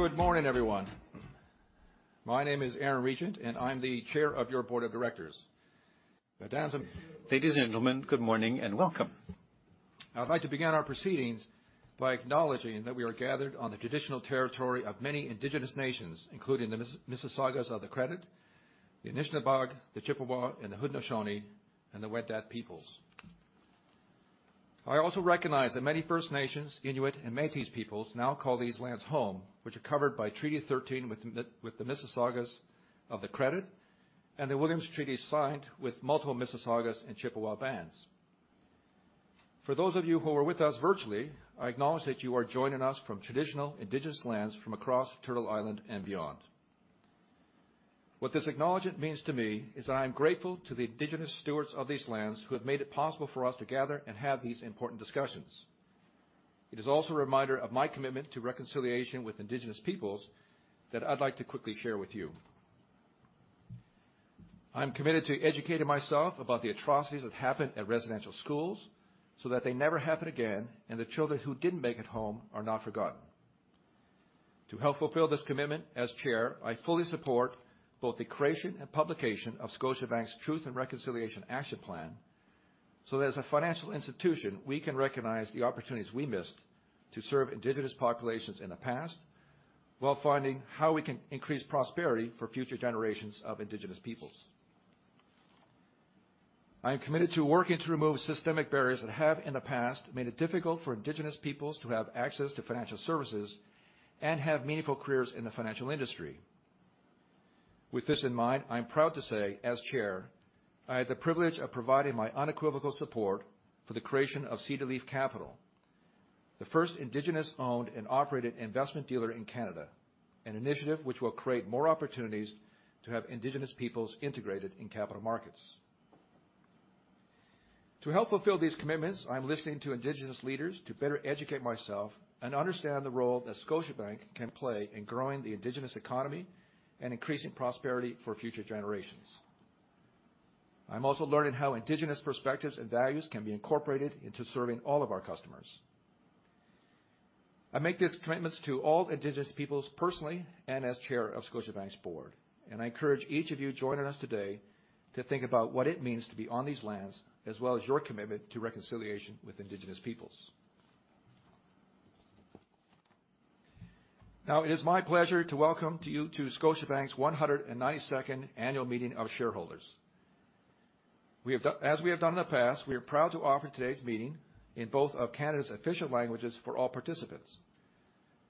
Good morning, everyone. My name is Aaron Regent, and I'm the chair of your board of directors. Ladies and gentlemen, good morning and welcome. I'd like to begin our proceedings by acknowledging that we are gathered on the traditional territory of many Indigenous nations, including the Mississaugas of the Credit, the Anishinaabeg, the Chippewa, and the Haudenosaunee, and the Wendat peoples. I also recognize that many First Nations, Inuit, and Métis peoples now call these lands home, which are covered by Treaty 13 with the Mississaugas of the Credit and the Williams Treaties signed with multiple Mississaugas and Chippewa bands. For those of you who are with us virtually, I acknowledge that you are joining us from traditional Indigenous lands from across Turtle Island and beyond. What this acknowledgment means to me is that I am grateful to the Indigenous stewards of these lands who have made it possible for us to gather and have these important discussions. It is also a reminder of my commitment to reconciliation with Indigenous peoples that I'd like to quickly share with you. I'm committed to educating myself about the atrocities that happen at residential schools so that they never happen again and the children who didn't make it home are not forgotten. To help fulfill this commitment as chair, I fully support both the creation and publication of Scotiabank's Truth and Reconciliation Action Plan so that as a financial institution, we can recognize the opportunities we missed to serve Indigenous populations in the past while finding how we can increase prosperity for future generations of Indigenous peoples. I am committed to working to remove systemic barriers that have, in the past, made it difficult for Indigenous peoples to have access to financial services and have meaningful careers in the financial industry. With this in mind, I'm proud to say, as chair, I had the privilege of providing my unequivocal support for the creation of Cedar Leaf Capital, the first Indigenous-owned and operated investment dealer in Canada, an initiative which will create more opportunities to have Indigenous peoples integrated in capital markets. To help fulfill these commitments, I'm listening to Indigenous leaders to better educate myself and understand the role that Scotiabank can play in growing the Indigenous economy and increasing prosperity for future generations. I'm also learning how Indigenous perspectives and values can be incorporated into serving all of our customers. I make these commitments to all Indigenous peoples personally and as chair of Scotiabank's board, and I encourage each of you joining us today to think about what it means to be on these lands as well as your commitment to reconciliation with Indigenous peoples. Now, it is my pleasure to welcome you to Scotiabank's 192nd annual meeting of shareholders. As we have done in the past, we are proud to offer today's meeting in both of Canada's official languages for all participants.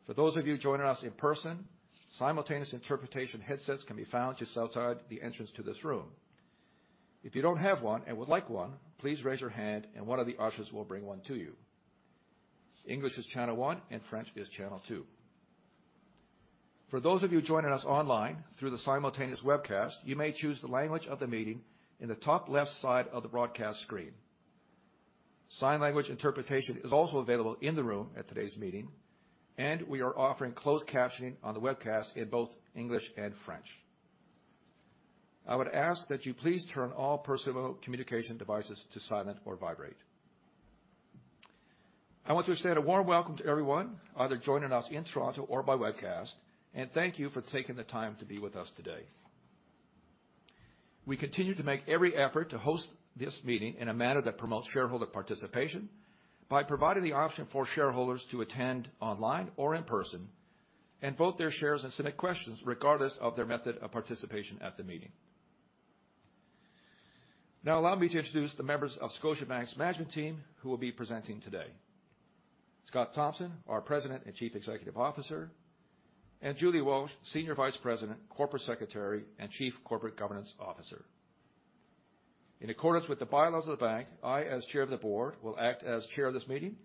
For those of you joining us in person, simultaneous interpretation headsets can be found just outside the entrance to this room. If you don't have one and would like one, please raise your hand and one of the ushers will bring one to you. English is channel one and French is channel two. For those of you joining us online through the simultaneous webcast, you may choose the language of the meeting in the top left side of the broadcast screen. Sign language interpretation is also available in the room at today's meeting, and we are offering closed captioning on the webcast in both English and French. I would ask that you please turn all personal communication devices to silent or vibrate. I want to extend a warm welcome to everyone either joining us in Toronto or by webcast, and thank you for taking the time to be with us today. We continue to make every effort to host this meeting in a manner that promotes shareholder participation by providing the option for shareholders to attend online or in person and vote their shares and submit questions regardless of their method of participation at the meeting. Now, allow me to introduce the members of Scotiabank's management team who will be presenting today: Scott Thomson, our President and Chief Executive Officer; and Julie Walsh, Senior Vice President, Corporate Secretary, and Chief Corporate Governance Officer. In accordance with the bylaws of the bank, I, as Chair of the Board, will act as chair of this meeting,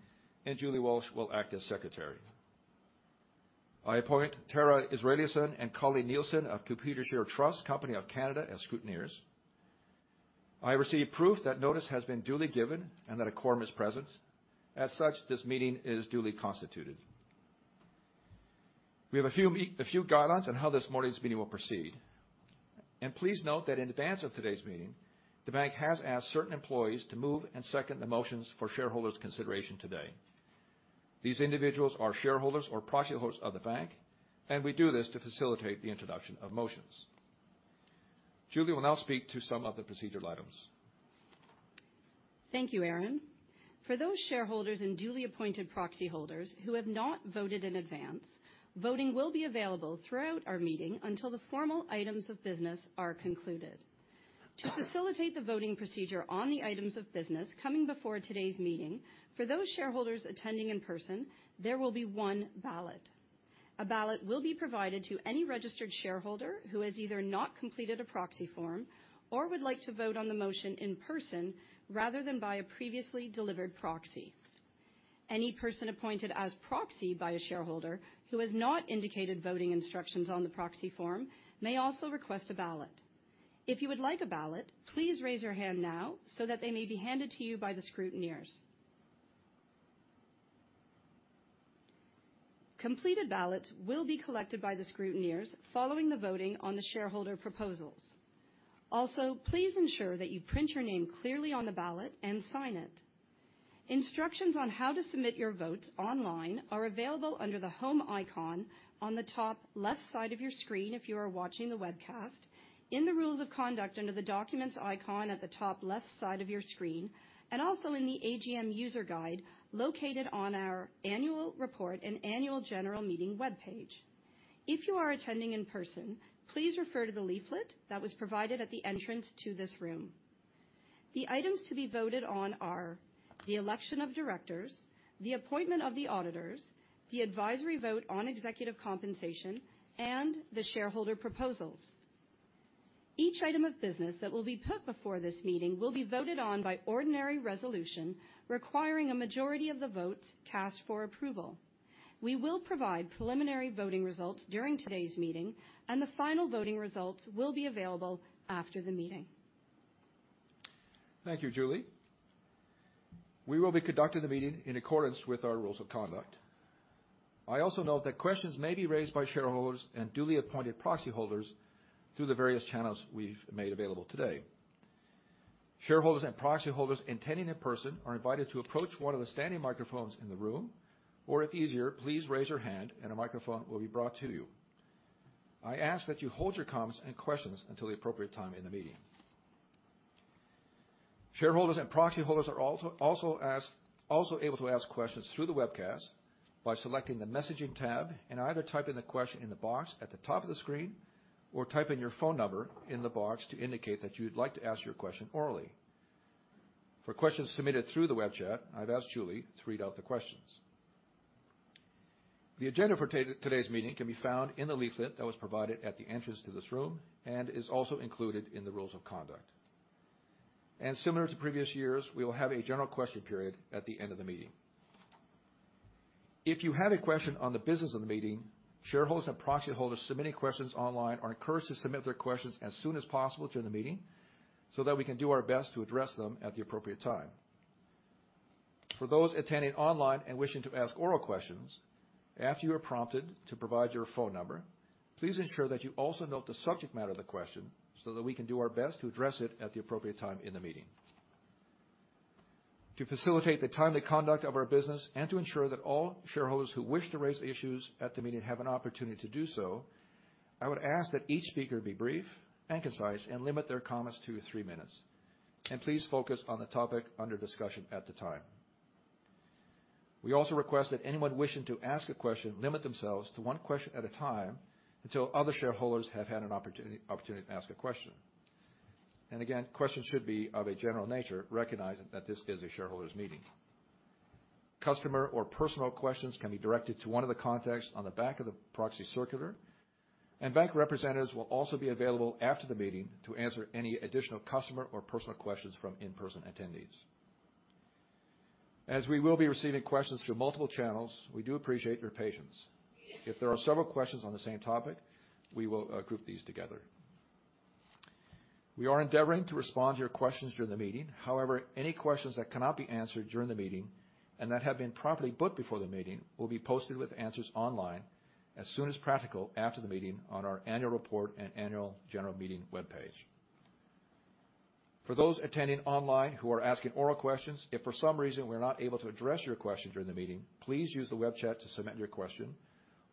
and Julie Walsh will act as secretary. I appoint Tara Israelson and Colleen Nielsen of Computershare Trust Company of Canada, as scrutineers. I receive proof that notice has been duly given and that a quorum is present. As such, this meeting is duly constituted. We have a few guidelines on how this morning's meeting will proceed. Please note that in advance of today's meeting, the bank has asked certain employees to move and second the motions for shareholders' consideration today. These individuals are shareholders or proxy holders of the bank, and we do this to facilitate the introduction of motions. Julie will now speak to some of the procedural items. Thank you, Aaron. For those shareholders and duly appointed proxy holders who have not voted in advance, voting will be available throughout our meeting until the formal items of business are concluded. To facilitate the voting procedure on the items of business coming before today's meeting, for those shareholders attending in person, there will be one ballot. A ballot will be provided to any registered shareholder who has either not completed a proxy form or would like to vote on the motion in person rather than by a previously delivered proxy. Any person appointed as proxy by a shareholder who has not indicated voting instructions on the proxy form may also request a ballot. If you would like a ballot, please raise your hand now so that they may be handed to you by the scrutineers. Completed ballots will be collected by the scrutineers following the voting on the shareholder proposals. Also, please ensure that you print your name clearly on the ballot and sign it. Instructions on how to submit your votes online are available under the home icon on the top left side of your screen if you are watching the webcast, in the rules of conduct under the documents icon at the top left side of your screen, and also in the AGM user guide located on our annual report and annual general meeting web page. If you are attending in person, please refer to the leaflet that was provided at the entrance to this room. The items to be voted on are the election of directors, the appointment of the auditors, the advisory vote on executive compensation, and the shareholder proposals. Each item of business that will be put before this meeting will be voted on by ordinary resolution requiring a majority of the votes cast for approval. We will provide preliminary voting results during today's meeting, and the final voting results will be available after the meeting. Thank you, Julie. We will be conducting the meeting in accordance with our rules of conduct. I also note that questions may be raised by shareholders and duly appointed proxy holders through the various channels we've made available today. Shareholders and proxy holders intending in person are invited to approach one of the standing microphones in the room or, if easier, please raise your hand and a microphone will be brought to you. I ask that you hold your comments and questions until the appropriate time in the meeting. Shareholders and proxy holders are also able to ask questions through the webcast by selecting the messaging tab and either typing the question in the box at the top of the screen or typing your phone number in the box to indicate that you'd like to ask your question orally. For questions submitted through the web chat, I've asked Julie to read out the questions. The agenda for today's meeting can be found in the leaflet that was provided at the entrance to this room and is also included in the rules of conduct. Similar to previous years, we will have a general question period at the end of the meeting. If you have a question on the business of the meeting, shareholders and proxy holders submitting questions online are encouraged to submit their questions as soon as possible during the meeting so that we can do our best to address them at the appropriate time. For those attending online and wishing to ask oral questions, after you are prompted to provide your phone number, please ensure that you also note the subject matter of the question so that we can do our best to address it at the appropriate time in the meeting. To facilitate the timely conduct of our business and to ensure that all shareholders who wish to raise issues at the meeting have an opportunity to do so, I would ask that each speaker be brief and concise and limit their comments to three minutes. Please focus on the topic under discussion at the time. We also request that anyone wishing to ask a question limit themselves to one question at a time until other shareholders have had an opportunity to ask a question. Again, questions should be of a general nature, recognizing that this is a shareholders' meeting. Customer or personal questions can be directed to one of the contacts on the back of the proxy circular, and bank representatives will also be available after the meeting to answer any additional customer or personal questions from in-person attendees. As we will be receiving questions through multiple channels, we do appreciate your patience. If there are several questions on the same topic, we will group these together. We are endeavoring to respond to your questions during the meeting. However, any questions that cannot be answered during the meeting and that have been properly booked before the meeting will be posted with answers online as soon as practical after the meeting on our annual report and annual general meeting web page. For those attending online who are asking oral questions, if for some reason we are not able to address your question during the meeting, please use the web chat to submit your question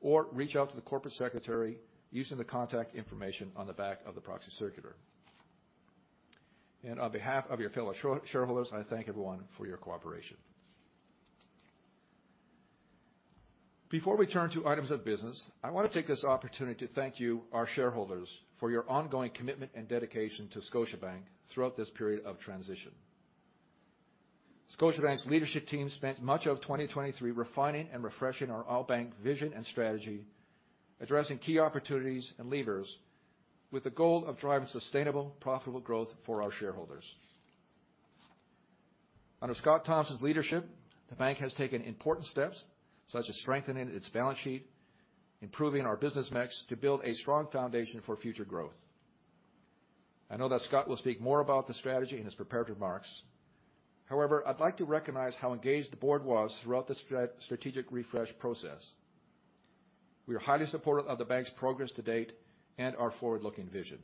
or reach out to the corporate secretary using the contact information on the back of the proxy circular. On behalf of your fellow shareholders, I thank everyone for your cooperation. Before we turn to items of business, I want to take this opportunity to thank you, our shareholders, for your ongoing commitment and dedication to Scotiabank throughout this period of transition. Scotiabank's leadership team spent much of 2023 refining and refreshing our all-bank vision and strategy, addressing key opportunities and levers with the goal of driving sustainable, profitable growth for our shareholders. Under Scott Thomson's leadership, the bank has taken important steps such as strengthening its balance sheet, improving our business mix to build a strong foundation for future growth. I know that Scott will speak more about the strategy in his preparatory remarks. However, I'd like to recognize how engaged the board was throughout the strategic refresh process. We are highly supportive of the bank's progress to date and our forward-looking vision.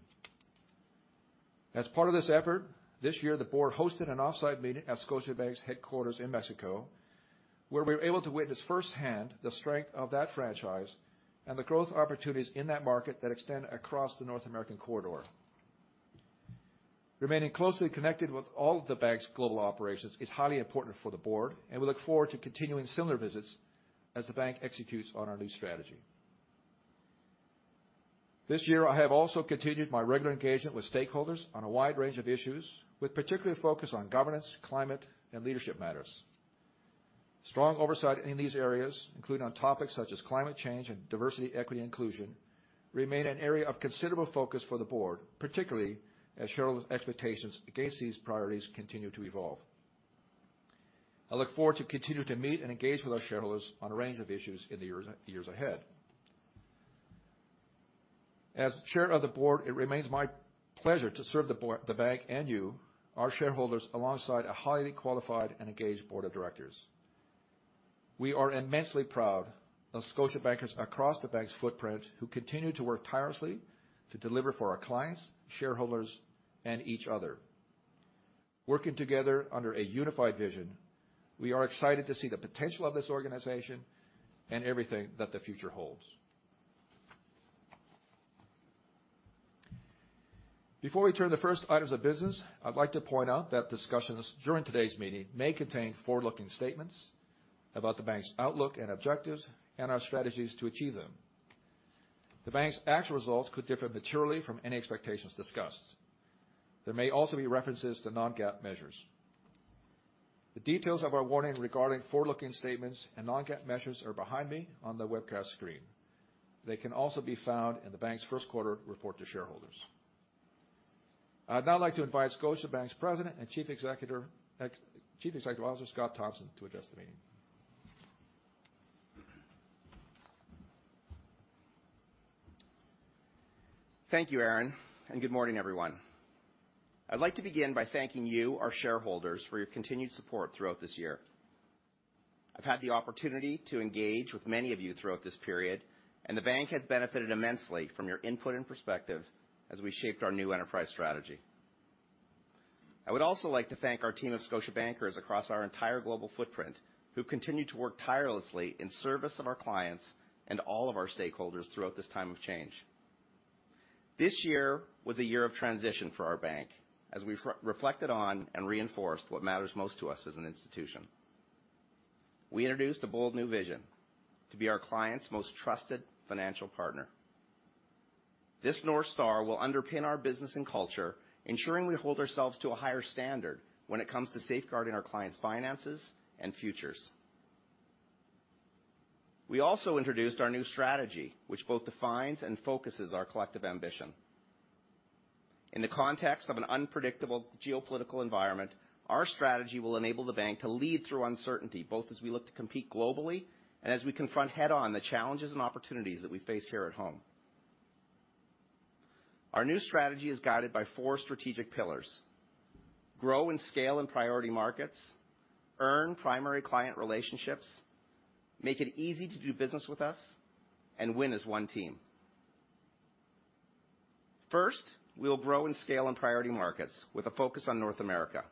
As part of this effort, this year, the board hosted an offsite meeting at Scotiabank's headquarters in Mexico where we were able to witness firsthand the strength of that franchise and the growth opportunities in that market that extend across the North American corridor. Remaining closely connected with all of the bank's global operations is highly important for the board, and we look forward to continuing similar visits as the bank executes on our new strategy. This year, I have also continued my regular engagement with stakeholders on a wide range of issues, with particular focus on governance, climate, and leadership matters. Strong oversight in these areas, including on topics such as climate change and diversity, equity, and inclusion, remain an area of considerable focus for the board, particularly as shareholders' expectations against these priorities continue to evolve. I look forward to continuing to meet and engage with our shareholders on a range of issues in the years ahead. As chair of the board, it remains my pleasure to serve the bank and you, our shareholders, alongside a highly qualified and engaged board of directors. We are immensely proud of Scotiabankers across the bank's footprint who continue to work tirelessly to deliver for our clients, shareholders, and each other. Working together under a unified vision, we are excited to see the potential of this organization and everything that the future holds. Before we turn to the first items of business, I'd like to point out that discussions during today's meeting may contain forward-looking statements about the bank's outlook and objectives and our strategies to achieve them. The bank's actual results could differ materially from any expectations discussed. There may also be references to non-GAAP measures. The details of our warning regarding forward-looking statements and non-GAAP measures are behind me on the webcast screen. They can also be found in the bank's first quarter report to shareholders. I'd now like to invite Scotiabank's President and Chief Executive Officer, Scott Thomson, to address the meeting. Thank you, Aaron, and good morning, everyone. I'd like to begin by thanking you, our shareholders, for your continued support throughout this year. I've had the opportunity to engage with many of you throughout this period, and the bank has benefited immensely from your input and perspective as we shaped our new enterprise strategy. I would also like to thank our team of Scotiabankers across our entire global footprint who continue to work tirelessly in service of our clients and all of our stakeholders throughout this time of change. This year was a year of transition for our bank as we reflected on and reinforced what matters most to us as an institution. We introduced a bold new vision: to be our client's most trusted financial partner. This North Star will underpin our business and culture, ensuring we hold ourselves to a higher standard when it comes to safeguarding our clients' finances and futures. We also introduced our new strategy, which both defines and focuses our collective ambition. In the context of an unpredictable geopolitical environment, our strategy will enable the bank to lead through uncertainty both as we look to compete globally and as we confront head-on the challenges and opportunities that we face here at home. Our new strategy is guided by four strategic pillars: grow and scale in priority markets, earn primary client relationships, make it easy to do business with us, and win as one team. First, we will grow and scale in priority markets with a focus on North America.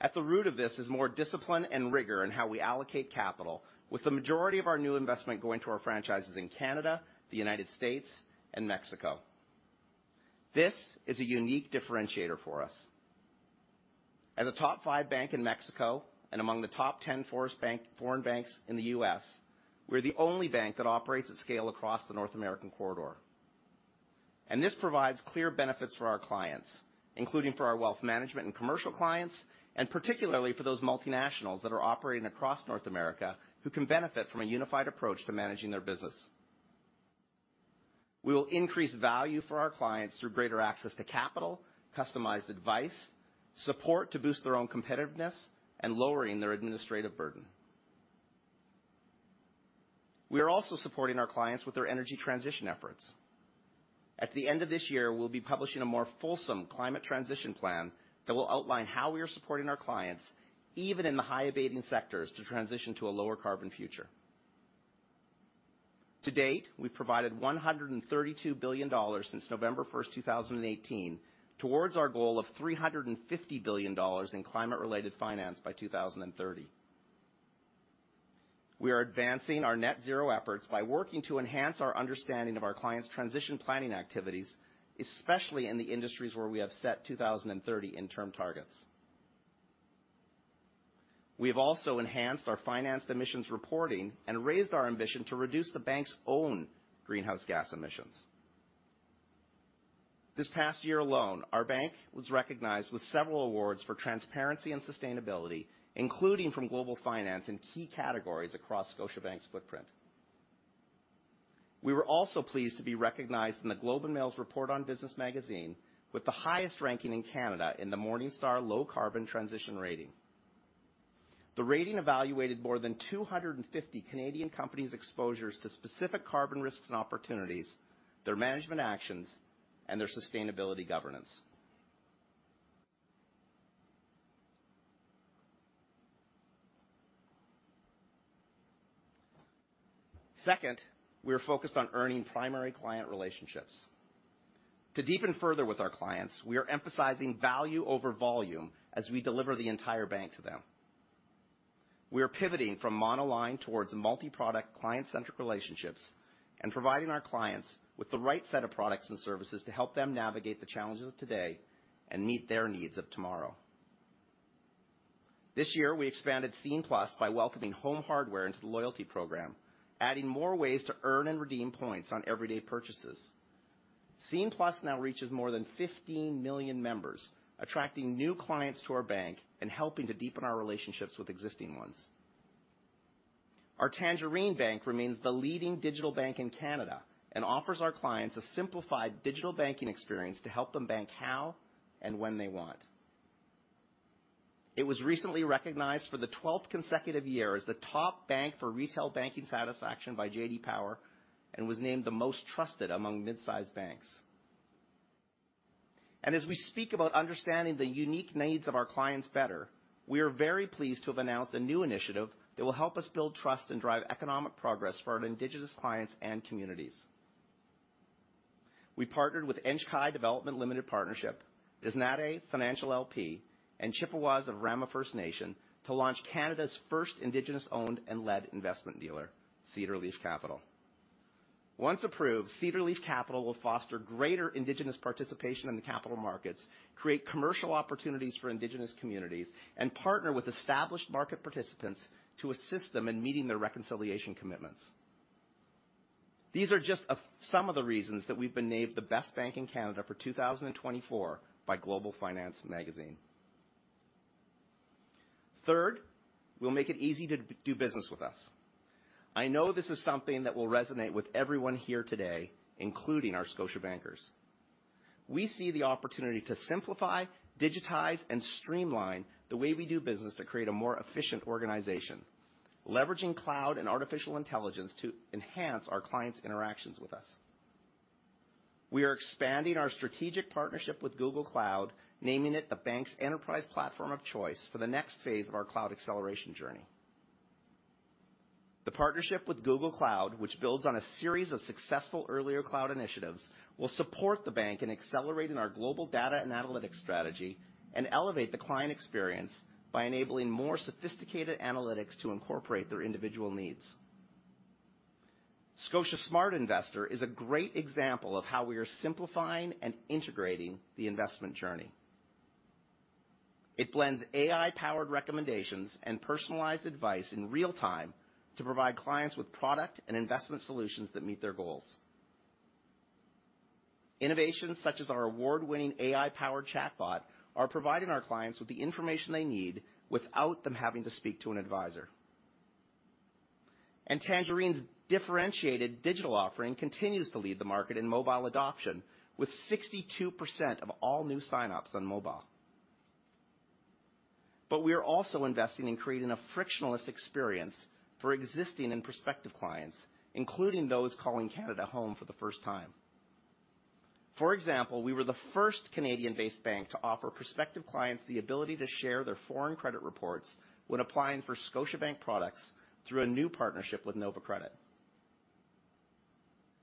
At the root of this is more discipline and rigor in how we allocate capital, with the majority of our new investment going to our franchises in Canada, the United States, and Mexico. This is a unique differentiator for us. As a top five bank in Mexico and among the top 10 foreign banks in the U.S., we are the only bank that operates at scale across the North American corridor. And this provides clear benefits for our clients, including for our wealth management and commercial clients, and particularly for those multinationals that are operating across North America who can benefit from a unified approach to managing their business. We will increase value for our clients through greater access to capital, customized advice, support to boost their own competitiveness, and lowering their administrative burden. We are also supporting our clients with their energy transition efforts. At the end of this year, we'll be publishing a more fulsome climate transition plan that will outline how we are supporting our clients, even in the high-abating sectors, to transition to a lower-carbon future. To date, we've provided 132 billion dollars since November 1, 2018, towards our goal of 350 billion dollars in climate-related finance by 2030. We are advancing our net-zero efforts by working to enhance our understanding of our clients' transition planning activities, especially in the industries where we have set 2030 interim targets. We have also enhanced our financed emissions reporting and raised our ambition to reduce the bank's own greenhouse gas emissions. This past year alone, our bank was recognized with several awards for transparency and sustainability, including from Global Finance in key categories across Scotiabank's footprint. We were also pleased to be recognized in the Globe and Mail's Report on Business magazine with the highest ranking in Canada in the Morningstar Low Carbon Transition Rating. The rating evaluated more than 250 Canadian companies' exposures to specific carbon risks and opportunities, their management actions, and their sustainability governance. Second, we are focused on earning primary client relationships. To deepen further with our clients, we are emphasizing value over volume as we deliver the entire bank to them. We are pivoting from monoline towards multi-product, client-centric relationships and providing our clients with the right set of products and services to help them navigate the challenges of today and meet their needs of tomorrow. This year, we expanded Scene+ by welcoming Home Hardware into the loyalty program, adding more ways to earn and redeem points on everyday purchases. Scene+ now reaches more than 15 million members, attracting new clients to our bank and helping to deepen our relationships with existing ones. Our Tangerine Bank remains the leading digital bank in Canada and offers our clients a simplified digital banking experience to help them bank how and when they want. It was recently recognized for the 12th consecutive year as the top bank for retail banking satisfaction by JD Power and was named the most trusted among midsize banks. And as we speak about understanding the unique needs of our clients better, we are very pleased to have announced a new initiative that will help us build trust and drive economic progress for our Indigenous clients and communities. We partnered with Nch'ḵay̓ Development Limited Partnership, Des Nedhe Financial LP, and Chippewas of Rama First Nation to launch Canada's first Indigenous-owned and led investment dealer, Cedar Leaf Capital. Once approved, Cedar Leaf Capital will foster greater Indigenous participation in the capital markets, create commercial opportunities for Indigenous communities, and partner with established market participants to assist them in meeting their reconciliation commitments. These are just some of the reasons that we've been named the best bank in Canada for 2024 by Global Finance magazine. Third, we'll make it easy to do business with us. I know this is something that will resonate with everyone here today, including our Scotiabankers. We see the opportunity to simplify, digitize, and streamline the way we do business to create a more efficient organization, leveraging cloud and artificial intelligence to enhance our clients' interactions with us. We are expanding our strategic partnership with Google Cloud, naming it the bank's enterprise platform of choice for the next phase of our cloud acceleration journey. The partnership with Google Cloud, which builds on a series of successful earlier cloud initiatives, will support the bank in accelerating our global data and analytics strategy and elevate the client experience by enabling more sophisticated analytics to incorporate their individual needs. Scotia Smart Investor is a great example of how we are simplifying and integrating the investment journey. It blends AI-powered recommendations and personalized advice in real time to provide clients with product and investment solutions that meet their goals. Innovations such as our award-winning AI-powered chatbot are providing our clients with the information they need without them having to speak to an advisor. Tangerine's differentiated digital offering continues to lead the market in mobile adoption, with 62% of all new signups on mobile. We are also investing in creating a frictionless experience for existing and prospective clients, including those calling Canada home for the first time. For example, we were the first Canadian-based bank to offer prospective clients the ability to share their foreign credit reports when applying for Scotiabank products through a new partnership with Nova Credit.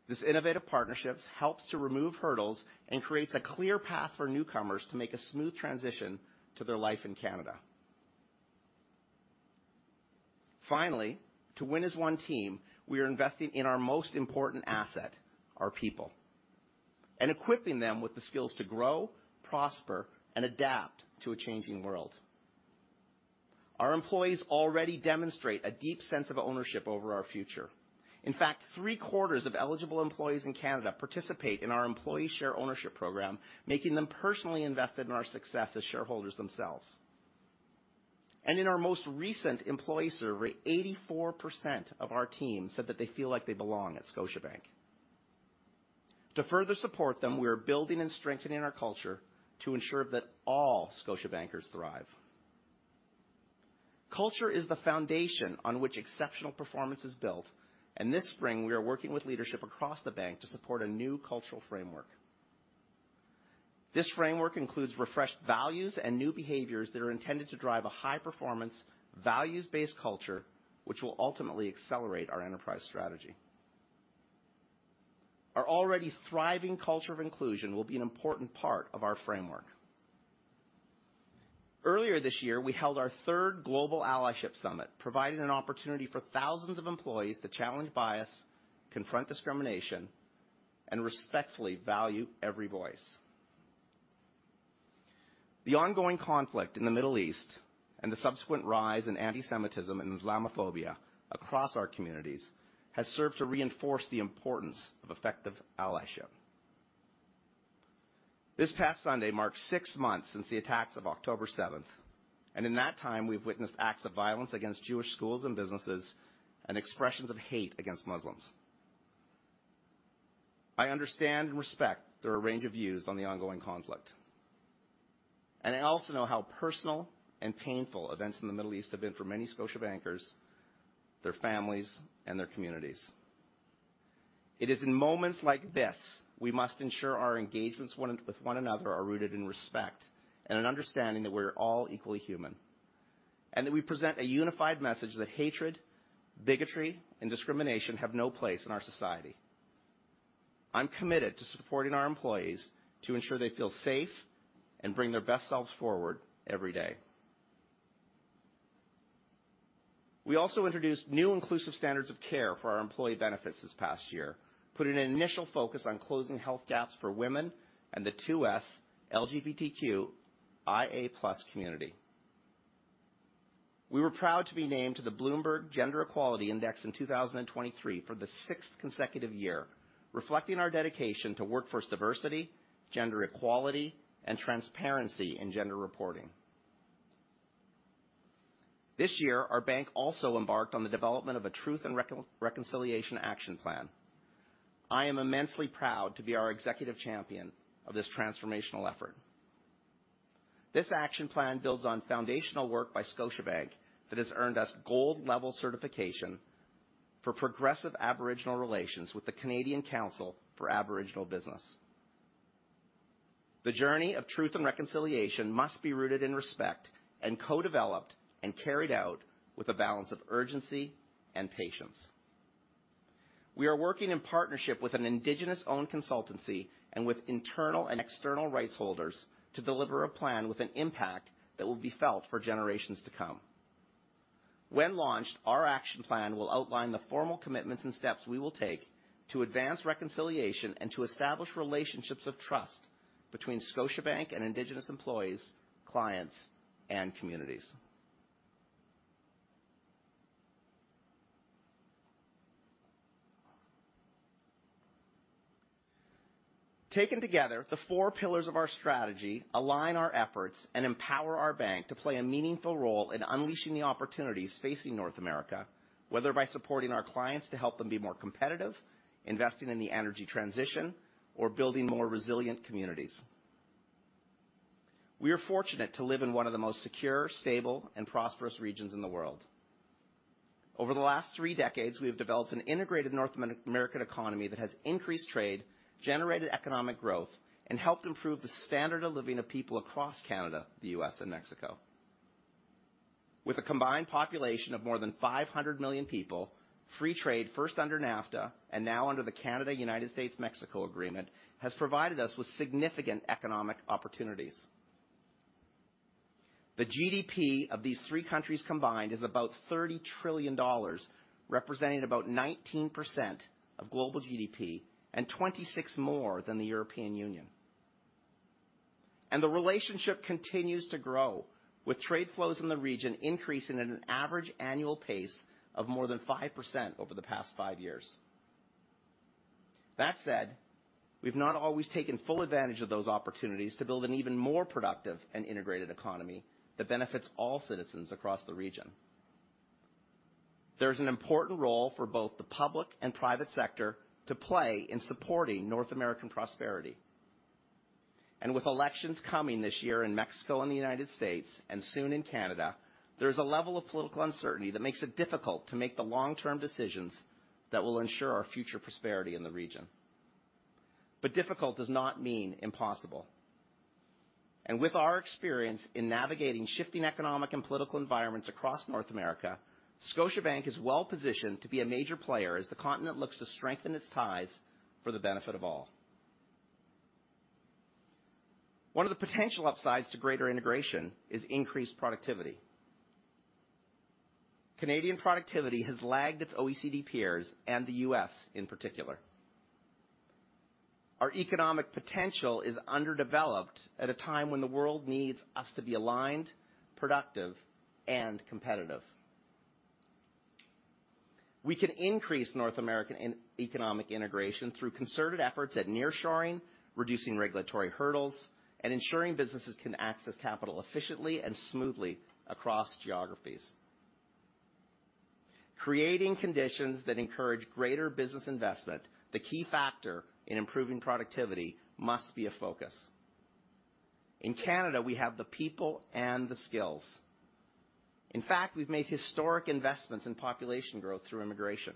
This innovative partnership helps to remove hurdles and creates a clear path for newcomers to make a smooth transition to their life in Canada. Finally, to win as one team, we are investing in our most important asset, our people, and equipping them with the skills to grow, prosper, and adapt to a changing world. Our employees already demonstrate a deep sense of ownership over our future. In fact, three-quarters of eligible employees in Canada participate in our Employee Share Ownership Program, making them personally invested in our success as shareholders themselves. In our most recent employee survey, 84% of our team said that they feel like they belong at Scotiabank. To further support them, we are building and strengthening our culture to ensure that all Scotiabankers thrive. Culture is the foundation on which exceptional performance is built, and this spring, we are working with leadership across the bank to support a new cultural framework. This framework includes refreshed values and new behaviors that are intended to drive a high-performance, values-based culture, which will ultimately accelerate our enterprise strategy. Our already thriving culture of inclusion will be an important part of our framework. Earlier this year, we held our third Global Allyship Summit, providing an opportunity for thousands of employees to challenge bias, confront discrimination, and respectfully value every voice. The ongoing conflict in the Middle East and the subsequent rise in anti-Semitism and Islamophobia across our communities has served to reinforce the importance of effective allyship. This past Sunday marks six months since the attacks of October 7th, and in that time, we've witnessed acts of violence against Jewish schools and businesses and expressions of hate against Muslims. I understand and respect there are a range of views on the ongoing conflict, and I also know how personal and painful events in the Middle East have been for many Scotiabankers, their families, and their communities. It is in moments like this we must ensure our engagements with one another are rooted in respect and an understanding that we're all equally human, and that we present a unified message that hatred, bigotry, and discrimination have no place in our society. I'm committed to supporting our employees to ensure they feel safe and bring their best selves forward every day. We also introduced new inclusive standards of care for our employee benefits this past year, putting an initial focus on closing health gaps for women and the 2S LGBTQIA+ community. We were proud to be named to the Bloomberg Gender Equality Index in 2023 for the sixth consecutive year, reflecting our dedication to workforce diversity, gender equality, and transparency in gender reporting. This year, our bank also embarked on the development of a Truth and Reconciliation Action Plan. I am immensely proud to be our executive champion of this transformational effort. This action plan builds on foundational work by Scotiabank that has earned us gold-level certification for progressive Aboriginal relations with the Canadian Council for Aboriginal Business. The journey of truth and reconciliation must be rooted in respect and co-developed and carried out with a balance of urgency and patience. We are working in partnership with an Indigenous-owned consultancy and with internal and external rights holders to deliver a plan with an impact that will be felt for generations to come. When launched, our action plan will outline the formal commitments and steps we will take to advance reconciliation and to establish relationships of trust between Scotiabank and Indigenous employees, clients, and communities. Taken together, the four pillars of our strategy align our efforts and empower our bank to play a meaningful role in unleashing the opportunities facing North America, whether by supporting our clients to help them be more competitive, investing in the energy transition, or building more resilient communities. We are fortunate to live in one of the most secure, stable, and prosperous regions in the world. Over the last three decades, we have developed an integrated North American economy that has increased trade, generated economic growth, and helped improve the standard of living of people across Canada, the U.S., and Mexico. With a combined population of more than 500 million people, free trade, first under NAFTA and now under the Canada-United States-Mexico Agreement, has provided us with significant economic opportunities. The GDP of these three countries combined is about $30 trillion, representing about 19% of global GDP and 26% more than the European Union. The relationship continues to grow, with trade flows in the region increasing at an average annual pace of more than 5% over the past five years. That said, we've not always taken full advantage of those opportunities to build an even more productive and integrated economy that benefits all citizens across the region. There's an important role for both the public and private sector to play in supporting North American prosperity. With elections coming this year in Mexico and the United States and soon in Canada, there's a level of political uncertainty that makes it difficult to make the long-term decisions that will ensure our future prosperity in the region. Difficult does not mean impossible. With our experience in navigating shifting economic and political environments across North America, Scotiabank is well-positioned to be a major player as the continent looks to strengthen its ties for the benefit of all. One of the potential upsides to greater integration is increased productivity. Canadian productivity has lagged its OECD peers and the U.S. in particular. Our economic potential is underdeveloped at a time when the world needs us to be aligned, productive, and competitive. We can increase North American economic integration through concerted efforts at nearshoring, reducing regulatory hurdles, and ensuring businesses can access capital efficiently and smoothly across geographies. Creating conditions that encourage greater business investment, the key factor in improving productivity, must be a focus. In Canada, we have the people and the skills. In fact, we've made historic investments in population growth through immigration.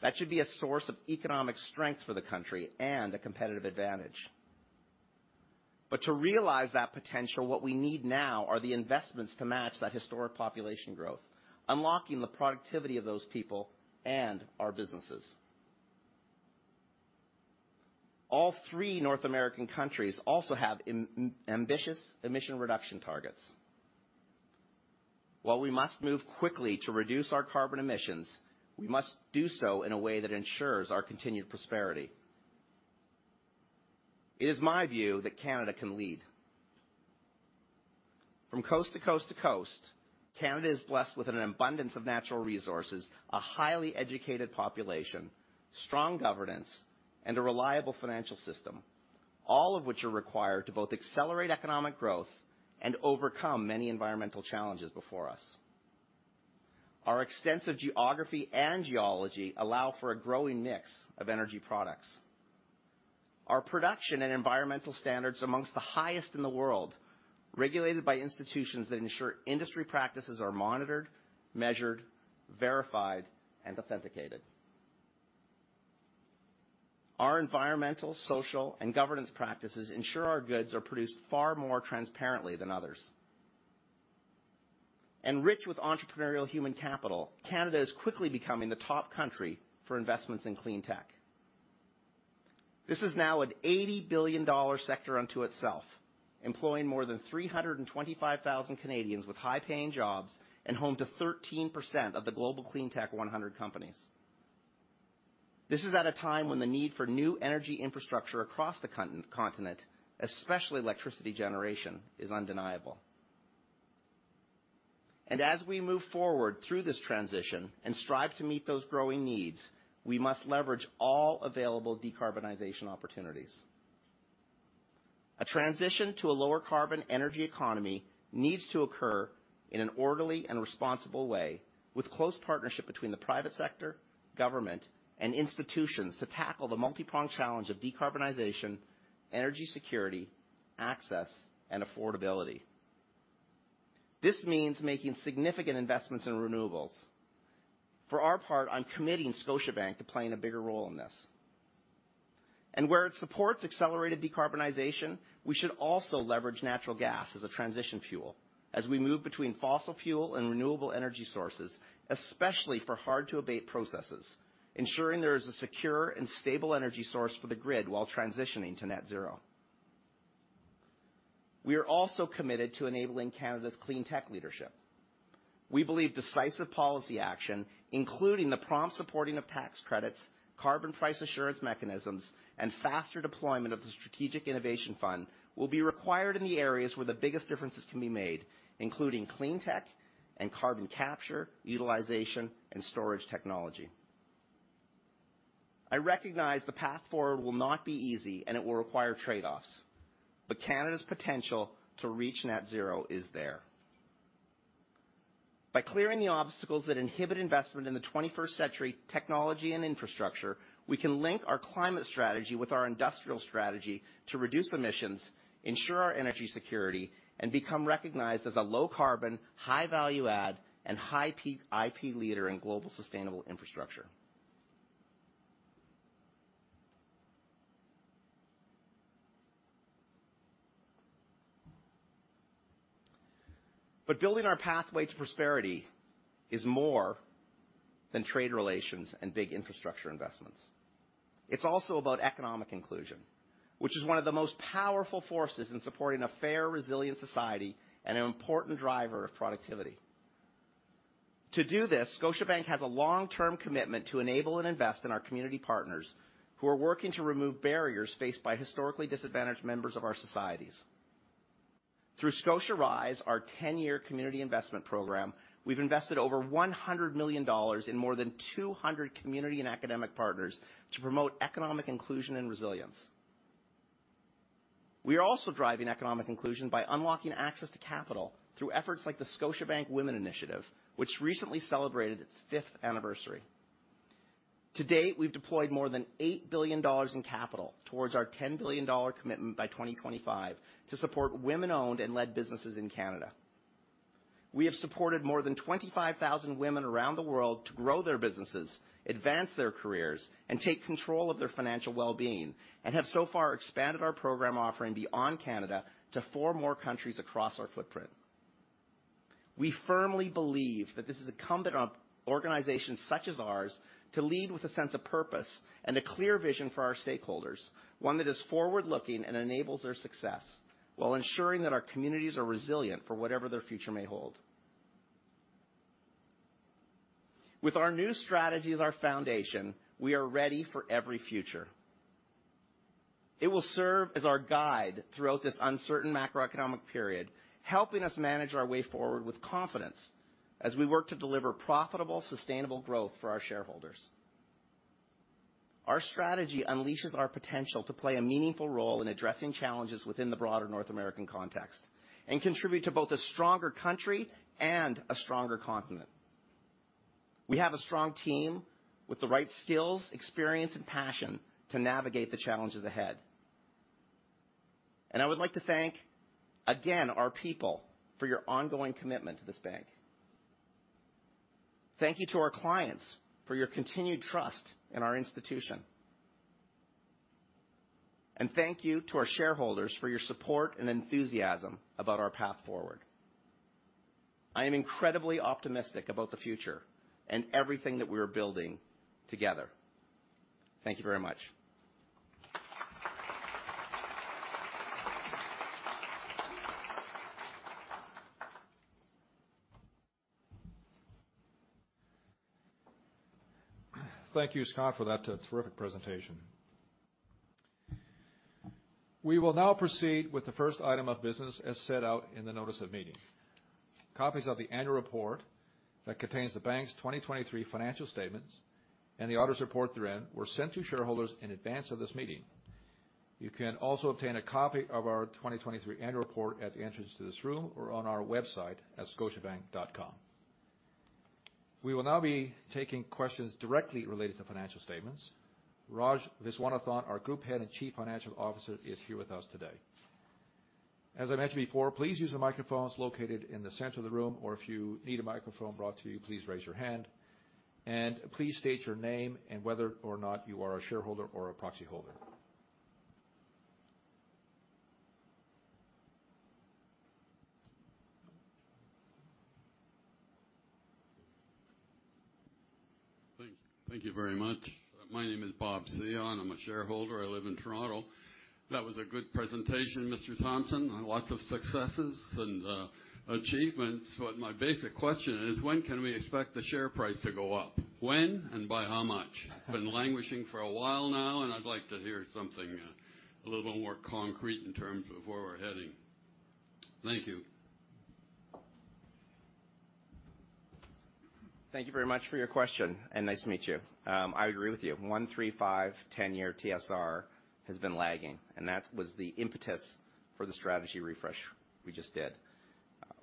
That should be a source of economic strength for the country and a competitive advantage. But to realize that potential, what we need now are the investments to match that historic population growth, unlocking the productivity of those people and our businesses. All three North American countries also have ambitious emission reduction targets. While we must move quickly to reduce our carbon emissions, we must do so in a way that ensures our continued prosperity. It is my view that Canada can lead. From coast to coast to coast, Canada is blessed with an abundance of natural resources, a highly educated population, strong governance, and a reliable financial system, all of which are required to both accelerate economic growth and overcome many environmental challenges before us. Our extensive geography and geology allow for a growing mix of energy products. Our production and environmental standards are among the highest in the world, regulated by institutions that ensure industry practices are monitored, measured, verified, and authenticated. Our environmental, social, and governance practices ensure our goods are produced far more transparently than others. Rich with entrepreneurial human capital, Canada is quickly becoming the top country for investments in clean tech. This is now an $80 billion sector unto itself, employing more than 325,000 Canadians with high-paying jobs and home to 13% of the global clean tech 100 companies. This is at a time when the need for new energy infrastructure across the continent, especially electricity generation, is undeniable. And as we move forward through this transition and strive to meet those growing needs, we must leverage all available decarbonization opportunities. A transition to a lower-carbon energy economy needs to occur in an orderly and responsible way, with close partnership between the private sector, government, and institutions to tackle the multipronged challenge of decarbonization, energy security, access, and affordability. This means making significant investments in renewables. For our part, I'm committing Scotiabank to playing a bigger role in this. And where it supports accelerated decarbonization, we should also leverage natural gas as a transition fuel, as we move between fossil fuel and renewable energy sources, especially for hard-to-abate processes, ensuring there is a secure and stable energy source for the grid while transitioning to net zero. We are also committed to enabling Canada's clean tech leadership. We believe decisive policy action, including the prompt supporting of tax credits, carbon price assurance mechanisms, and faster deployment of the Strategic Innovation Fund, will be required in the areas where the biggest differences can be made, including clean tech and carbon capture, utilization, and storage technology. I recognize the path forward will not be easy, and it will require trade-offs. But Canada's potential to reach net zero is there. By clearing the obstacles that inhibit investment in the 21st-century technology and infrastructure, we can link our climate strategy with our industrial strategy to reduce emissions, ensure our energy security, and become recognized as a low-carbon, high-value-add, and high-IP leader in global sustainable infrastructure. But building our pathway to prosperity is more than trade relations and big infrastructure investments. It's also about economic inclusion, which is one of the most powerful forces in supporting a fair, resilient society and an important driver of productivity. To do this, Scotiabank has a long-term commitment to enable and invest in our community partners who are working to remove barriers faced by historically disadvantaged members of our societies. Through ScotiaRise, our 10-year community investment program, we've invested over 100 million dollars in more than 200 community and academic partners to promote economic inclusion and resilience. We are also driving economic inclusion by unlocking access to capital through efforts like the Scotiabank Women Initiative, which recently celebrated its fifth anniversary. To date, we've deployed more than 8 billion dollars in capital towards our 10 billion dollar commitment by 2025 to support women-owned and led businesses in Canada. We have supported more than 25,000 women around the world to grow their businesses, advance their careers, and take control of their financial well-being, and have so far expanded our program offering beyond Canada to four more countries across our footprint. We firmly believe that this is a commitment of organizations such as ours to lead with a sense of purpose and a clear vision for our stakeholders, one that is forward-looking and enables their success while ensuring that our communities are resilient for whatever their future may hold. With our new strategy as our foundation, we are ready for every future. It will serve as our guide throughout this uncertain macroeconomic period, helping us manage our way forward with confidence as we work to deliver profitable, sustainable growth for our shareholders. Our strategy unleashes our potential to play a meaningful role in addressing challenges within the broader North American context and contribute to both a stronger country and a stronger continent. We have a strong team with the right skills, experience, and passion to navigate the challenges ahead. I would like to thank, again, our people for your ongoing commitment to this bank. Thank you to our clients for your continued trust in our institution. Thank you to our shareholders for your support and enthusiasm about our path forward. I am incredibly optimistic about the future and everything that we are building together. Thank you very much. Thank you, Scott, for that terrific presentation. We will now proceed with the first item of business as set out in the notice of meeting. Copies of the annual report that contains the bank's 2023 financial statements and the audit report therein were sent to shareholders in advance of this meeting. You can also obtain a copy of our 2023 annual report at the entrance to this room or on our website at Scotiabank.com. We will now be taking questions directly related to financial statements. Raj Viswanathan, our Group Head and Chief Financial Officer, is here with us today. As I mentioned before, please use the microphones located in the center of the room, or if you need a microphone brought to you, please raise your hand. Please state your name and whether or not you are a shareholder or a proxy holder. Thank you very much. My name is Bob Seon. I'm a shareholder. I live in Toronto. That was a good presentation, Mr. Thomson. Lots of successes and achievements. But my basic question is, when can we expect the share price to go up? When and by how much? I've been languishing for a while now, and I'd like to hear something a little bit more concrete in terms of where we're heading. Thank you. Thank you very much for your question, and nice to meet you. I agree with you. 1-, 3-, 5-, 10-year TSR has been lagging, and that was the impetus for the strategy refresh we just did.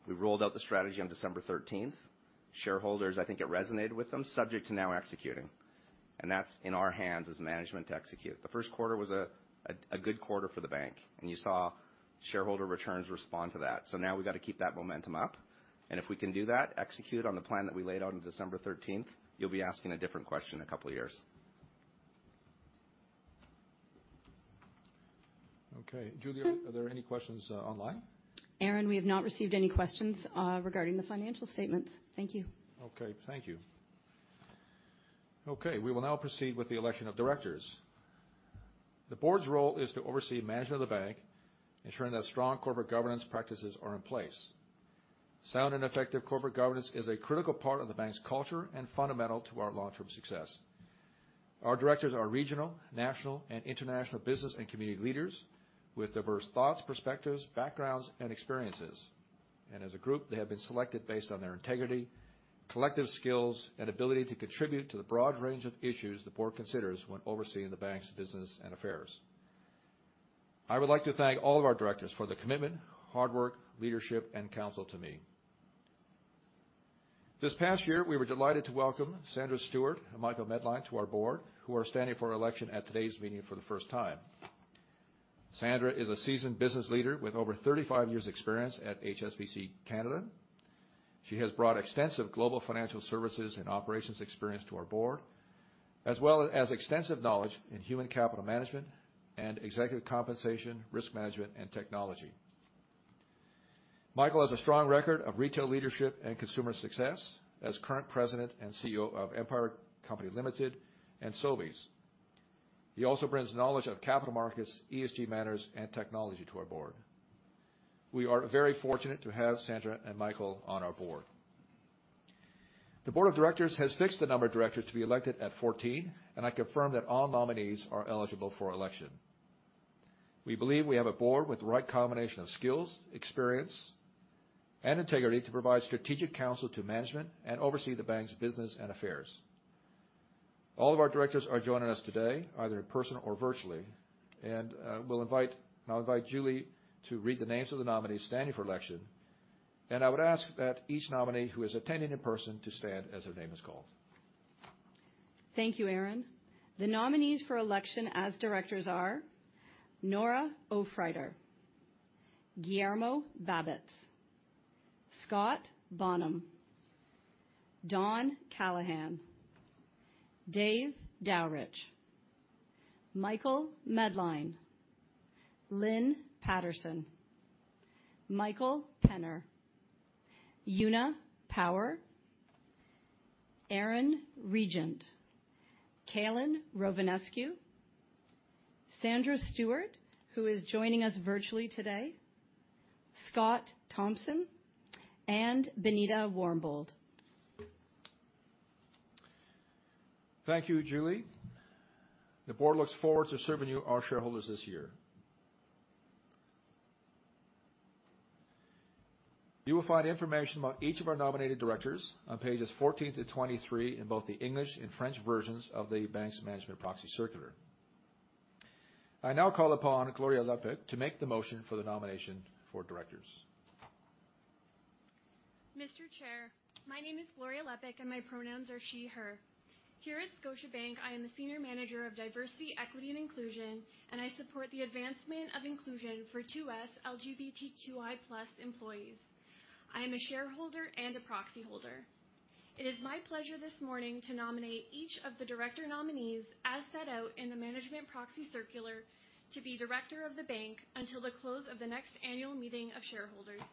We rolled out the strategy on December 13th. Shareholders, I think it resonated with them, subject to now executing. That's in our hands as management to execute. The first quarter was a good quarter for the bank, and you saw shareholder returns respond to that. Now we've got to keep that momentum up. If we can do that, execute on the plan that we laid out on December 13th, you'll be asking a different question in a couple of years. Okay. Julie, are there any questions online? Aaron, we have not received any questions regarding the financial statements. Thank you. Okay. Thank you. Okay. We will now proceed with the election of directors. The board's role is to oversee management of the bank, ensuring that strong corporate governance practices are in place. Sound and effective corporate governance is a critical part of the bank's culture and fundamental to our long-term success. Our directors are regional, national, and international business and community leaders with diverse thoughts, perspectives, backgrounds, and experiences. As a group, they have been selected based on their integrity, collective skills, and ability to contribute to the broad range of issues the board considers when overseeing the bank's business and affairs. I would like to thank all of our directors for the commitment, hard work, leadership, and counsel to me. This past year, we were delighted to welcome Sandra Stuart and Michael Medline to our board, who are standing for election at today's meeting for the first time. Sandra is a seasoned business leader with over 35 years' experience at HSBC Canada. She has brought extensive global financial services and operations experience to our board, as well as extensive knowledge in human capital management and executive compensation, risk management, and technology. Michael has a strong record of retail leadership and consumer success as current President and CEO of Empire Company Limited and Sobeys. He also brings knowledge of capital markets, ESG matters, and technology to our board. We are very fortunate to have Sandra and Michael on our board. The board of directors has fixed the number of directors to be elected at 14, and I confirm that all nominees are eligible for election. We believe we have a board with the right combination of skills, experience, and integrity to provide strategic counsel to management and oversee the bank's business and affairs. All of our directors are joining us today, either in person or virtually. I'll invite Julie to read the names of the nominees standing for election. I would ask that each nominee who is attending in person to stand as their name is called. Thank you, Aaron. The nominees for election as directors are: Nora Aufreiter, Guillermo Babatz, Scott Bonham, Don Callahan, Dave Dowrich, Michael Medline, Lynn Patterson, Michael Penner, Una Power, Aaron Regent, Calin Rovinescu, Sandra Stuart, who is joining us virtually today, Scott Thomson, and Benita Warmbold. Thank you, Julie. The board looks forward to serving you, our shareholders, this year. You will find information about each of our nominated directors on pages 14-23 in both the English and French versions of the bank's management proxy circular. I now call upon Gloria Lepik to make the motion for the nomination for directors. Mr. Chair, my name is Gloria Lepik, and my pronouns are she/her. Here at Scotiabank, I am the Senior Manager of Diversity, Equity, and Inclusion, and I support the advancement of inclusion for 2S LGBTQI+ employees. I am a shareholder and a proxy holder. It is my pleasure this morning to nominate each of the director nominees, as set out in the management proxy circular, to be director of the bank until the close of the next annual meeting of shareholders.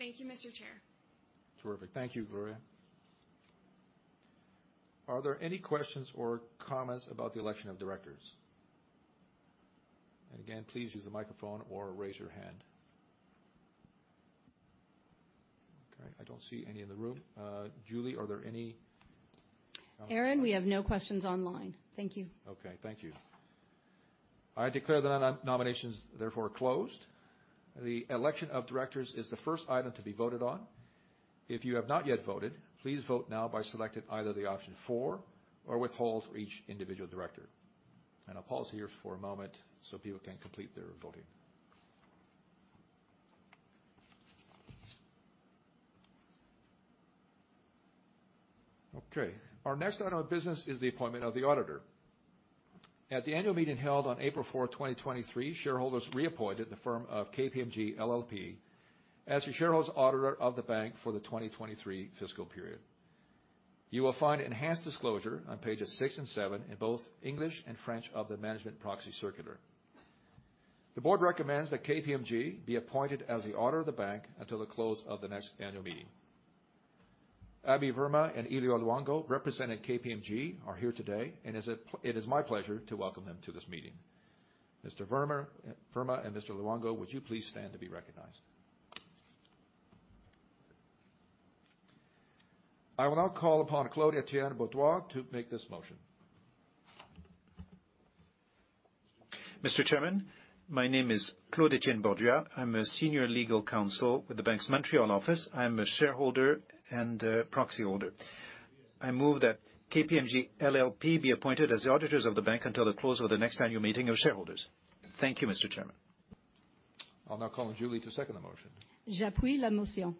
Thank you, Mr. Chair. Terrific. Thank you, Gloria. Are there any questions or comments about the election of directors? And again, please use the microphone or raise your hand. Okay. I don't see any in the room. Julie, are there any comments? Aaron, we have no questions online. Thank you. Okay. Thank you. I declare the nominations, therefore, closed. The election of directors is the first item to be voted on. If you have not yet voted, please vote now by selecting either the option for or withhold for each individual director. I'll pause here for a moment so people can complete their voting. Okay. Our next item of business is the appointment of the auditor. At the annual meeting held on April 4, 2023, shareholders reappointed the firm of KPMG LLP as the shareholders' auditor of the bank for the 2023 fiscal period. You will find enhanced disclosure on pages six and seven in both English and French of the management proxy circular. The board recommends that KPMG be appointed as the auditor of the bank until the close of the next annual meeting. Abhi Verma and Elio Luongo, representing KPMG, are here today, and it is my pleasure to welcome them to this meeting. Mr. Verma and Mr. Luongo, would you please stand to be recognized? I will now call upon Claude-Étienne Borduas to make this motion. Mr. Chairman, my name is Claude-Étienne Borduas. I'm a senior legal counsel with the bank's Montreal office. I am a shareholder and proxy holder. I move that KPMG LLP be appointed as the auditors of the bank until the close of the next annual meeting of shareholders. Thank you, Mr. Chairman. I'll now call on Julie to second the motion.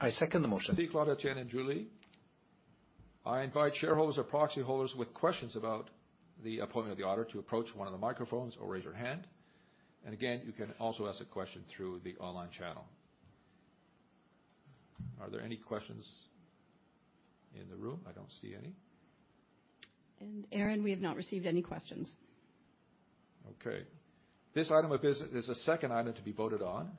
I second the motion. Thank you, Claude-Étienne and Julie. I invite shareholders or proxy holders with questions about the appointment of the auditor to approach one of the microphones or raise your hand. Again, you can also ask a question through the online channel. Are there any questions in the room? I don't see any. Aaron, we have not received any questions. Okay. This item of business is the second item to be voted on.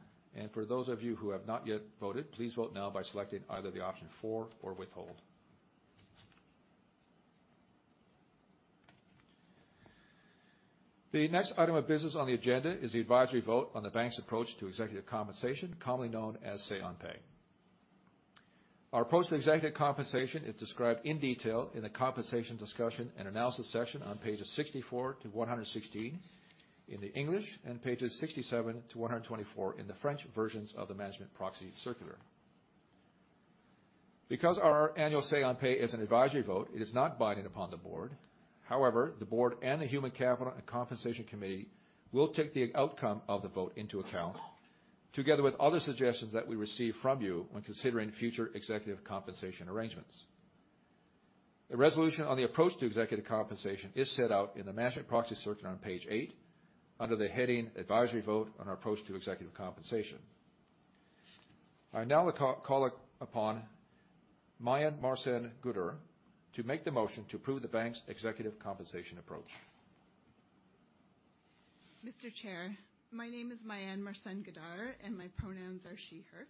For those of you who have not yet voted, please vote now by selecting either the option for or withhold. The next item of business on the agenda is the advisory vote on the bank's approach to executive compensation, commonly known as Say-on-pay. Our approach to executive compensation is described in detail in the compensation discussion and analysis section on pages 64-116 in the English and pages 67-124 in the French versions of the management proxy circular. Because our annual Say-on-pay is an advisory vote, it is not binding upon the board. However, the board and the human capital and compensation committee will take the outcome of the vote into account together with other suggestions that we receive from you when considering future executive compensation arrangements. A resolution on the approach to executive compensation is set out in the management proxy circular on page 8 under the heading advisory vote on our approach to executive compensation. I now call upon Myan Marcen-Gaudaur to make the motion to approve the bank's executive compensation approach. Mr. Chair, my name is Myan Marcen-Gaudaur, and my pronouns are she/her.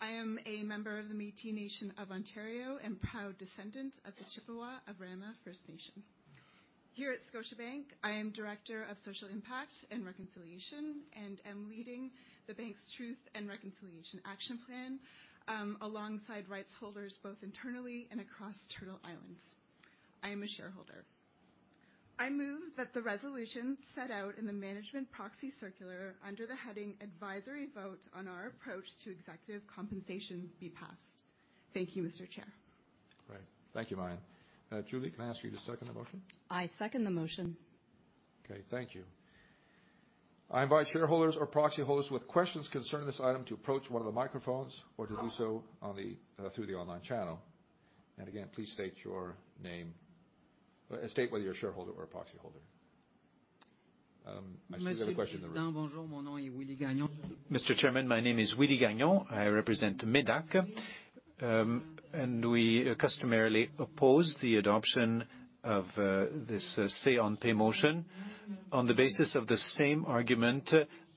I am a member of the Métis Nation of Ontario and proud descendant of the Chippewas of Rama First Nation. Here at Scotiabank, I am director of social impact and reconciliation and am leading the bank's truth and reconciliation action plan alongside rights holders both internally and across Turtle Island. I am a shareholder. I move that the resolution set out in the management proxy circular under the heading advisory vote on our approach to executive compensation be passed. Thank you, Mr. Chair. All right. Thank you, Myan. Julie, can I ask you to second the motion? I second the motion. Okay. Thank you. I invite shareholders or proxy holders with questions concerning this item to approach one of the microphones or to do so through the online channel. And again, please state your name, state whether you're a shareholder or a proxy holder. I see there's a question in the room. Mr. President, bonjour. My name is Willie Gagnon. Mr. Chairman, my name is Willie Gagnon. I represent MÉDAC. We customarily oppose the adoption of this Say-on-pay motion on the basis of the same argument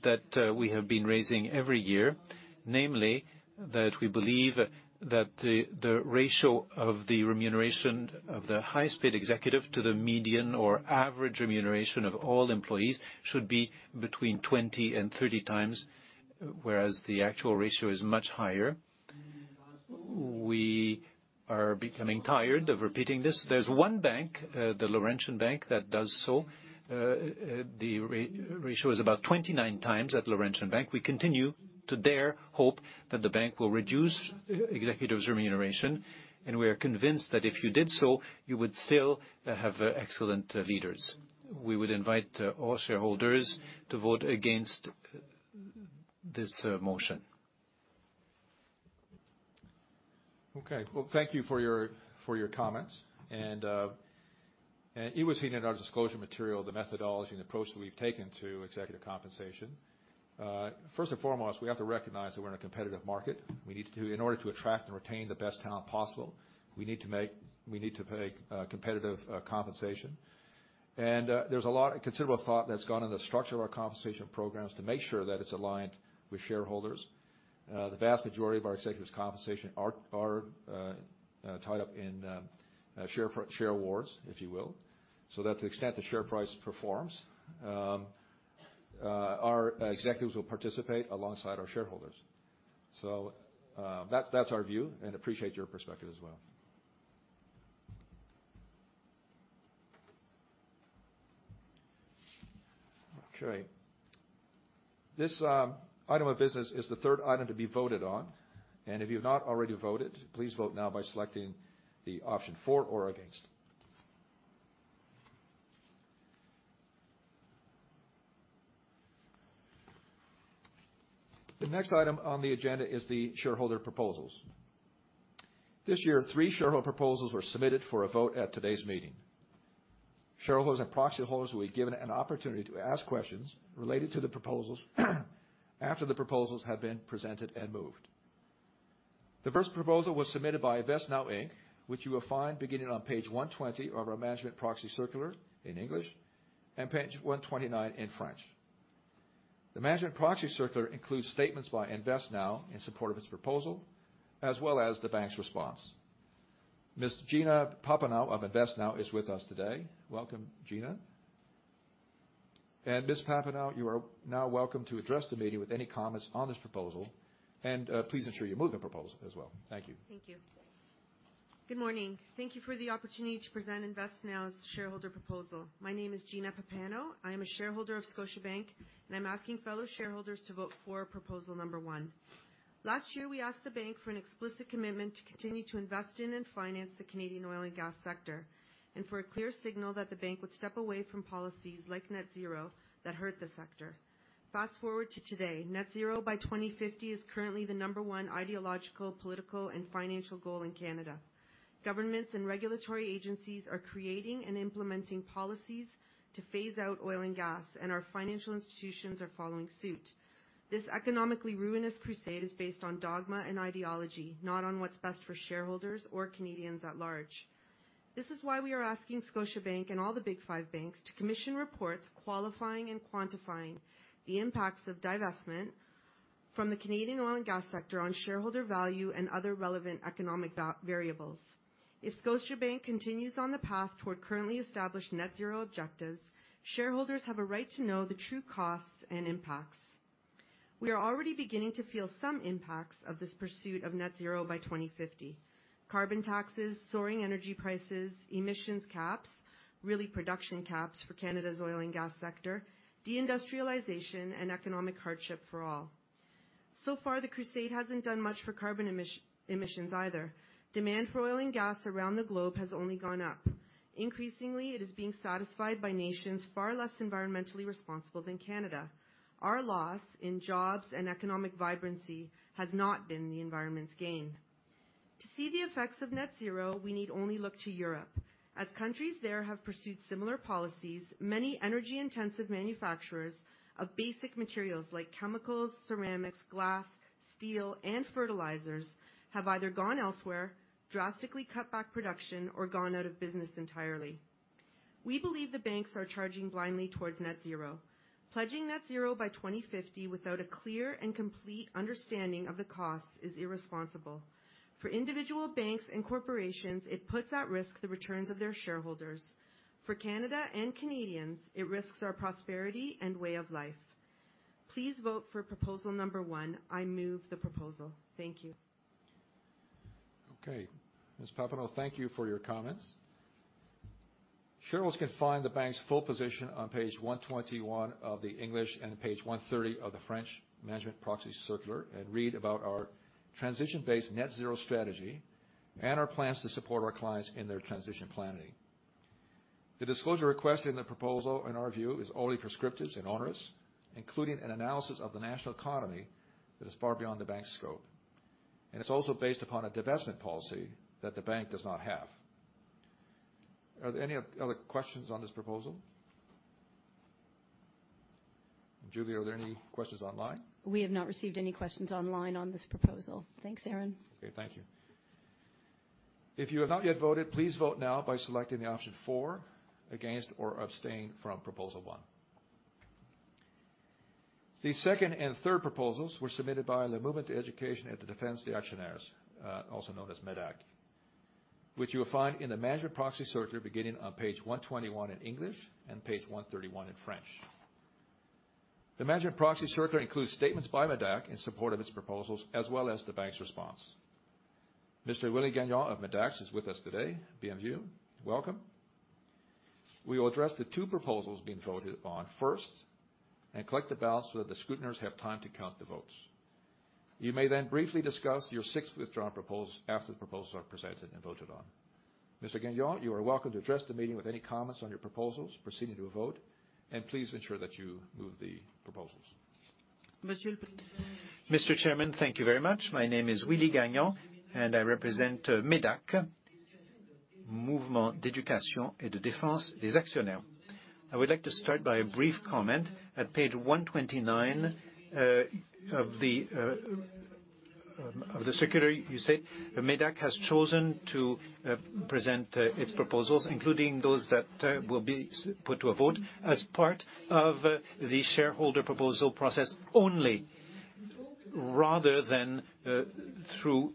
that we have been raising every year, namely that we believe that the ratio of the remuneration of the highest-paid executive to the median or average remuneration of all employees should be between 20 and 30 times, whereas the actual ratio is much higher. We are becoming tired of repeating this. There's one bank, the Laurentian Bank, that does so. The ratio is about 29 times at Laurentian Bank. We continue to dare hope that the bank will reduce executives' remuneration. We are convinced that if you did so, you would still have excellent leaders. We would invite all shareholders to vote against this motion. Okay. Well, thank you for your comments. And it was seen in our disclosure material the methodology and approach that we've taken to executive compensation. First and foremost, we have to recognize that we're in a competitive market. In order to attract and retain the best talent possible, we need to make competitive compensation. And there's a lot of considerable thought that's gone into the structure of our compensation programs to make sure that it's aligned with shareholders. The vast majority of our executives' compensation are tied up in share awards, if you will. So that to the extent the share price performs, our executives will participate alongside our shareholders. So that's our view. And I appreciate your perspective as well. Okay. This item of business is the third item to be voted on. If you have not already voted, please vote now by selecting the option for or against. The next item on the agenda is the shareholder proposals. This year, three shareholder proposals were submitted for a vote at today's meeting. Shareholders and proxy holders will be given an opportunity to ask questions related to the proposals after the proposals have been presented and moved. The first proposal was submitted by InvestNow, Inc., which you will find beginning on page 120 of our management proxy circular in English and page 129 in French. The management proxy circular includes statements by InvestNow in support of its proposal, as well as the bank's response. Ms. Gina Pappano of InvestNow is with us today. Welcome, Gina. Ms. Pappano, you are now welcome to address the meeting with any comments on this proposal. And please ensure you move the proposal as well. Thank you. Thank you. Good morning. Thank you for the opportunity to present InvestNow's shareholder proposal. My name is Gina Pappano. I am a shareholder of Scotiabank, and I'm asking fellow shareholders to vote for proposal number one. Last year, we asked the bank for an explicit commitment to continue to invest in and finance the Canadian oil and gas sector and for a clear signal that the bank would step away from policies like net-zero that hurt the sector. Fast forward to today. Net-zero by 2050 is currently the number one ideological, political, and financial goal in Canada. Governments and regulatory agencies are creating and implementing policies to phase out oil and gas, and our financial institutions are following suit. This economically ruinous crusade is based on dogma and ideology, not on what's best for shareholders or Canadians at large. This is why we are asking Scotiabank and all the big five banks to commission reports qualifying and quantifying the impacts of divestment from the Canadian oil and gas sector on shareholder value and other relevant economic variables. If Scotiabank continues on the path toward currently established net zero objectives, shareholders have a right to know the true costs and impacts. We are already beginning to feel some impacts of this pursuit of net zero by 2050: carbon taxes, soaring energy prices, emissions caps really, production caps for Canada's oil and gas sector, deindustrialization, and economic hardship for all. So far, the crusade hasn't done much for carbon emissions either. Demand for oil and gas around the globe has only gone up. Increasingly, it is being satisfied by nations far less environmentally responsible than Canada. Our loss in jobs and economic vibrancy has not been the environment's gain. To see the effects of net zero, we need only look to Europe. As countries there have pursued similar policies, many energy-intensive manufacturers of basic materials like chemicals, ceramics, glass, steel, and fertilizers have either gone elsewhere, drastically cut back production, or gone out of business entirely. We believe the banks are charging blindly towards net zero. Pledging net zero by 2050 without a clear and complete understanding of the costs is irresponsible. For individual banks and corporations, it puts at risk the returns of their shareholders. For Canada and Canadians, it risks our prosperity and way of life. Please vote for proposal number one. I move the proposal. Thank you. Okay. Ms. Pappano, thank you for your comments. Shareholders can find the bank's full position on page 121 of the English and page 130 of the French management proxy circular and read about our transition-based net zero strategy and our plans to support our clients in their transition planning. The disclosure requested in the proposal, in our view, is only prescriptive and onerous, including an analysis of the national economy that is far beyond the bank's scope. It's also based upon a divestment policy that the bank does not have. Are there any other questions on this proposal? Julie, are there any questions online? We have not received any questions online on this proposal. Thanks, Aaron. Okay. Thank you. If you have not yet voted, please vote now by selecting the option for, against, or abstain from proposal one. The second and third proposals were submitted by the Mouvement d'Éducation et de Défense des Actionnaires, also known as MÉDAC, which you will find in the management proxy circular beginning on page 121 in English and page 131 in French. The management proxy circular includes statements by MÉDAC in support of its proposals as well as the bank's response. Mr. Willie Gagnon of MÉDAC is with us today in the room. Welcome. We will address the two proposals being voted on first and collect the ballots so that the scrutineers have time to count the votes. You may then briefly discuss your sixth withdrawn proposals after the proposals are presented and voted on. Mr. Gagnon, you are welcome to address the meeting with any comments on your proposals proceeding to a vote. Please ensure that you move the proposals. Mr. Chairman, thank you very much. My name is Willie Gagnon, and I represent MÉDAC, Mouvement d'Éducation et de Défense des Actionnaires. I would like to start by a brief comment. At page 129 of the circular, you said MÉDAC has chosen to present its proposals, including those that will be put to a vote, as part of the shareholder proposal process only rather than through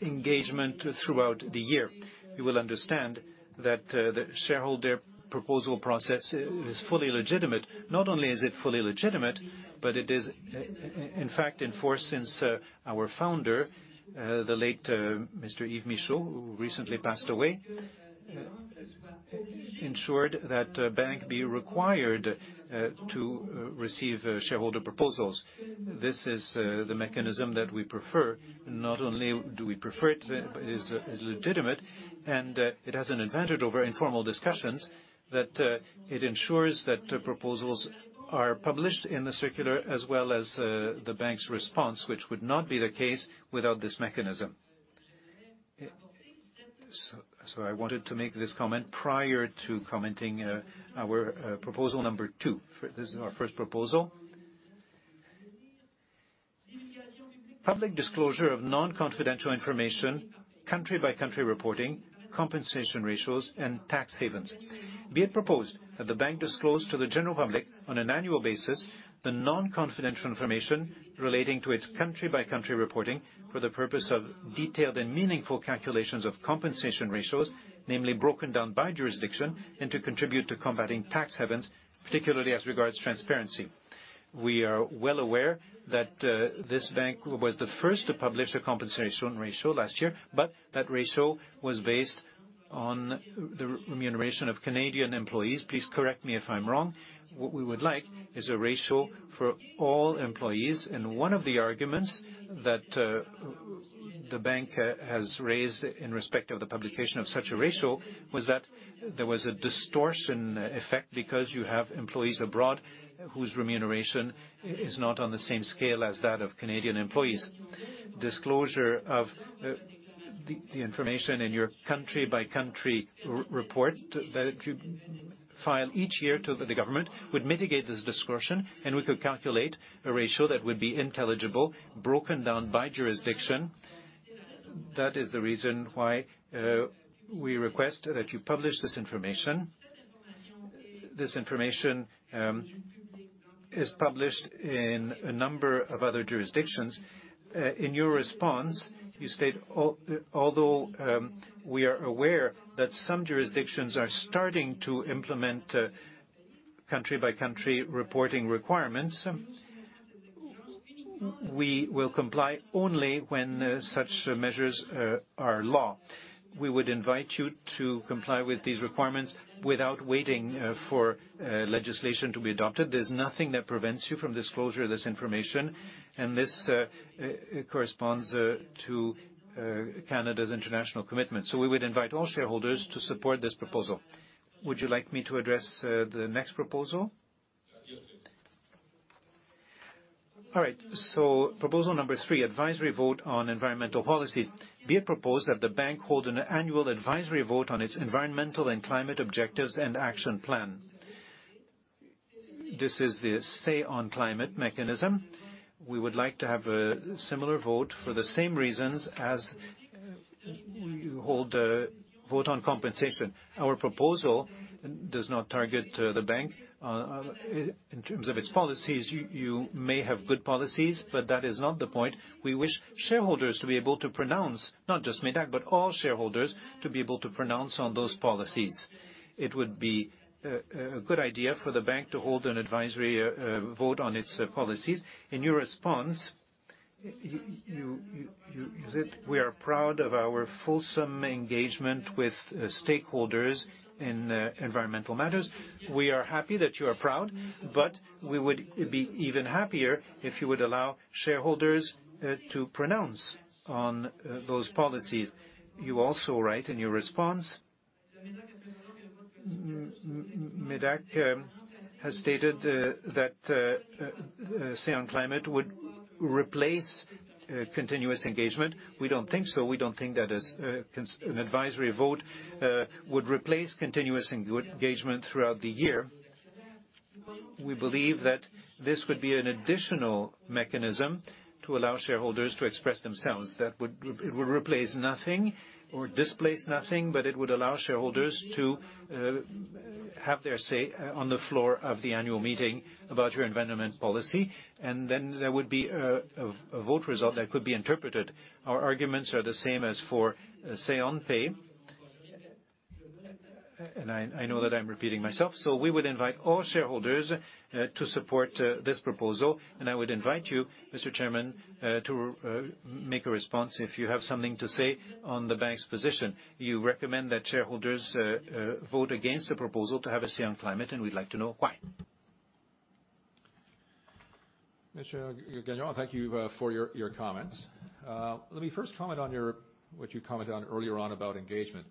engagement throughout the year. You will understand that the shareholder proposal process is fully legitimate. Not only is it fully legitimate, but it is, in fact, enforced since our founder, the late Mr. Yves Michaud, who recently passed away, ensured that a bank be required to receive shareholder proposals. This is the mechanism that we prefer. Not only do we prefer it, but it is legitimate. It has an advantage over informal discussions that it ensures that proposals are published in the circular as well as the bank's response, which would not be the case without this mechanism. I wanted to make this comment prior to commenting our proposal number 2. This is our first proposal. Public disclosure of non-confidential information, country-by-country reporting, compensation ratios, and tax havens. Be it proposed that the bank disclose to the general public on an annual basis the non-confidential information relating to its country-by-country reporting for the purpose of detailed and meaningful calculations of compensation ratios, namely broken down by jurisdiction, and to contribute to combating tax havens, particularly as regards transparency. We are well aware that this bank was the first to publish a compensation ratio last year, but that ratio was based on the remuneration of Canadian employees. Please correct me if I'm wrong. What we would like is a ratio for all employees. One of the arguments that the bank has raised in respect of the publication of such a ratio was that there was a distortion effect because you have employees abroad whose remuneration is not on the same scale as that of Canadian employees. Disclosure of the information in your country-by-country report that you file each year to the government would mitigate this distortion, and we could calculate a ratio that would be intelligible, broken down by jurisdiction. That is the reason why we request that you publish this information. This information is published in a number of other jurisdictions. In your response, you state, "Although we are aware that some jurisdictions are starting to implement country-by-country reporting requirements, we will comply only when such measures are law." We would invite you to comply with these requirements without waiting for legislation to be adopted. There's nothing that prevents you from disclosure of this information. And this corresponds to Canada's international commitment. So we would invite all shareholders to support this proposal. Would you like me to address the next proposal? All right. So proposal number three, advisory vote on environmental policies. Be it proposed that the bank hold an annual advisory vote on its environmental and climate objectives and action plan. This is the Say-on-climate mechanism. We would like to have a similar vote for the same reasons as you hold a vote on compensation. Our proposal does not target the bank. In terms of its policies, you may have good policies, but that is not the point. We wish shareholders to be able to pronounce not just MÉDAC, but all shareholders to be able to pronounce on those policies. It would be a good idea for the bank to hold an advisory vote on its policies. In your response, you said, "We are proud of our fulsome engagement with stakeholders in environmental matters." We are happy that you are proud, but we would be even happier if you would allow shareholders to pronounce on those policies. You also write in your response, "MÉDAC has stated that say-on-climate would replace continuous engagement." We don't think so. We don't think that an advisory vote would replace continuous engagement throughout the year. We believe that this would be an additional mechanism to allow shareholders to express themselves. It would replace nothing or displace nothing, but it would allow shareholders to have their say on the floor of the annual meeting about your environment policy. Then there would be a vote result that could be interpreted. Our arguments are the same as for Say-on-pay. I know that I'm repeating myself. We would invite all shareholders to support this proposal. I would invite you, Mr. Chairman, to make a response if you have something to say on the bank's position. You recommend that shareholders vote against the proposal to have a Say-on-climate, and we'd like to know why. Mr. Gagnon, thank you for your comments. Let me first comment on what you commented on earlier on about engagement.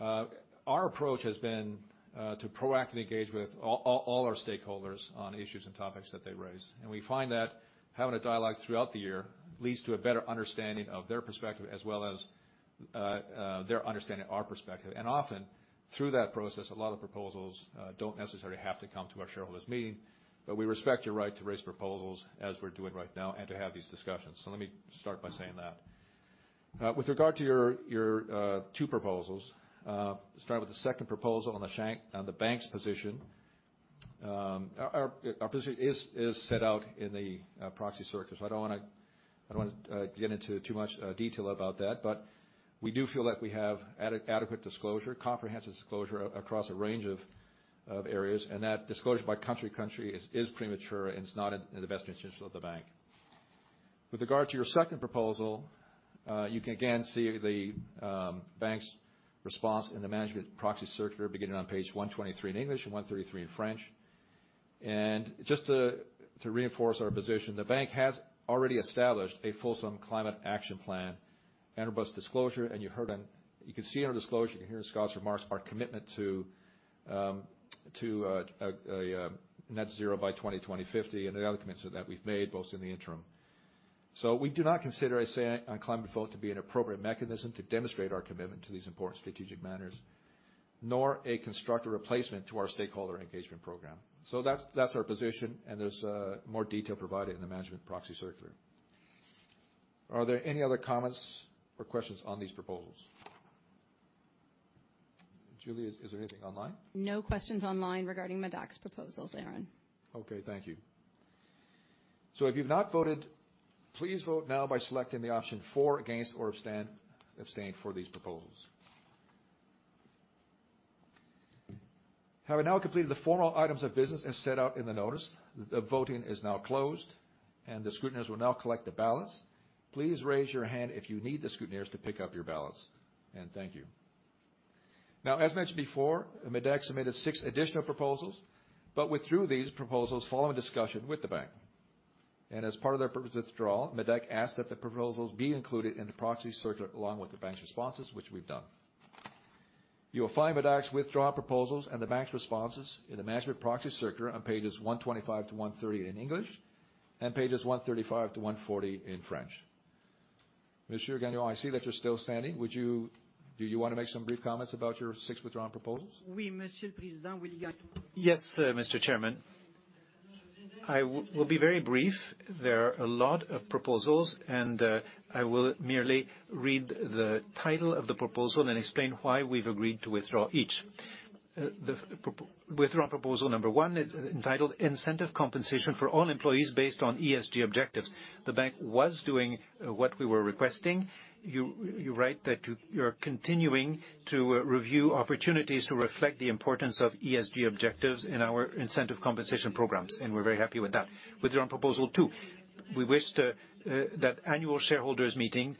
Our approach has been to proactively engage with all our stakeholders on issues and topics that they raise. We find that having a dialogue throughout the year leads to a better understanding of their perspective as well as their understanding of our perspective. Often, through that process, a lot of proposals don't necessarily have to come to our shareholders' meeting. We respect your right to raise proposals as we're doing right now and to have these discussions. Let me start by saying that. With regard to your two proposals, starting with the second proposal on the bank's position, our position is set out in the proxy circular. I don't want to get into too much detail about that. But we do feel that we have adequate disclosure, comprehensive disclosure across a range of areas. And that disclosure by country-by-country is premature, and it's not in the best interests of the bank. With regard to your second proposal, you can, again, see the bank's response in the management proxy circular beginning on page 123 in English and 133 in French. And just to reinforce our position, the bank has already established a fulsome climate action plan, a robust disclosure. And you heard or you can see in our disclosure. You can hear in Scott's remarks our commitment to net-zero by 2050 and the other commitments that we've made both in the interim. So we do not consider a say-on-climate vote to be an appropriate mechanism to demonstrate our commitment to these important strategic matters nor a constructive replacement to our stakeholder engagement program. So that's our position. There's more detail provided in the management proxy circular. Are there any other comments or questions on these proposals? Julie, is there anything online? No questions online regarding MÉDAC's proposals, Aaron. Okay. Thank you. So if you've not voted, please vote now by selecting the option for, against, or abstain for these proposals. Having now completed the formal items of business as set out in the notice, the voting is now closed. The scrutineers will now collect the ballots. Please raise your hand if you need the scrutineers to pick up your ballots. Thank you. Now, as mentioned before, MÉDAC submitted six additional proposals, but withdrew these proposals following discussion with the bank. As part of their purpose withdrawal, MÉDAC asked that the proposals be included in the proxy circular along with the bank's responses, which we've done. You will find MÉDAC's withdrawn proposals and the bank's responses in the management proxy circular on pages 125-130 in English and pages 135-140 in French. Mr. Gagnon, I see that you're still standing. Do you want to make some brief comments about your six withdrawn proposals? Yes, Mr. Chairman. I will be very brief. There are a lot of proposals. I will merely read the title of the proposal and explain why we've agreed to withdraw each. The withdrawn proposal number one is entitled, "Incentive Compensation for All Employees Based on ESG Objectives." The bank was doing what we were requesting. You write that you're continuing to review opportunities to reflect the importance of ESG objectives in our incentive compensation programs. We're very happy with that. Withdrawn proposal two, we wished that annual shareholders' meetings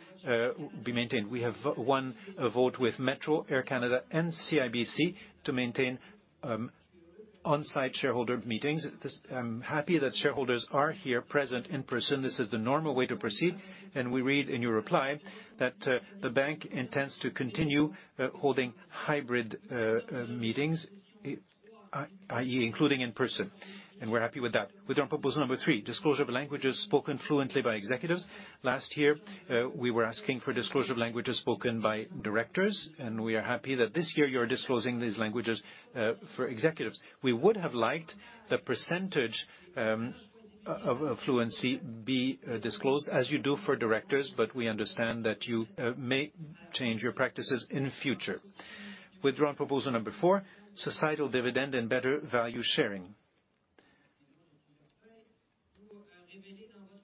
be maintained. We have won a vote with Metro, Air Canada, and CIBC to maintain on-site shareholder meetings. I'm happy that shareholders are here present in person. This is the normal way to proceed. We read in your reply that the bank intends to continue holding hybrid meetings, i.e., including in person. We're happy with that. Withdrawn proposal number 3, disclosure of languages spoken fluently by executives. Last year, we were asking for disclosure of languages spoken by directors. We are happy that this year, you are disclosing these languages for executives. We would have liked the percentage of fluency be disclosed as you do for directors. But we understand that you may change your practices in the future. Withdrawn proposal number 4, societal dividend and better value sharing.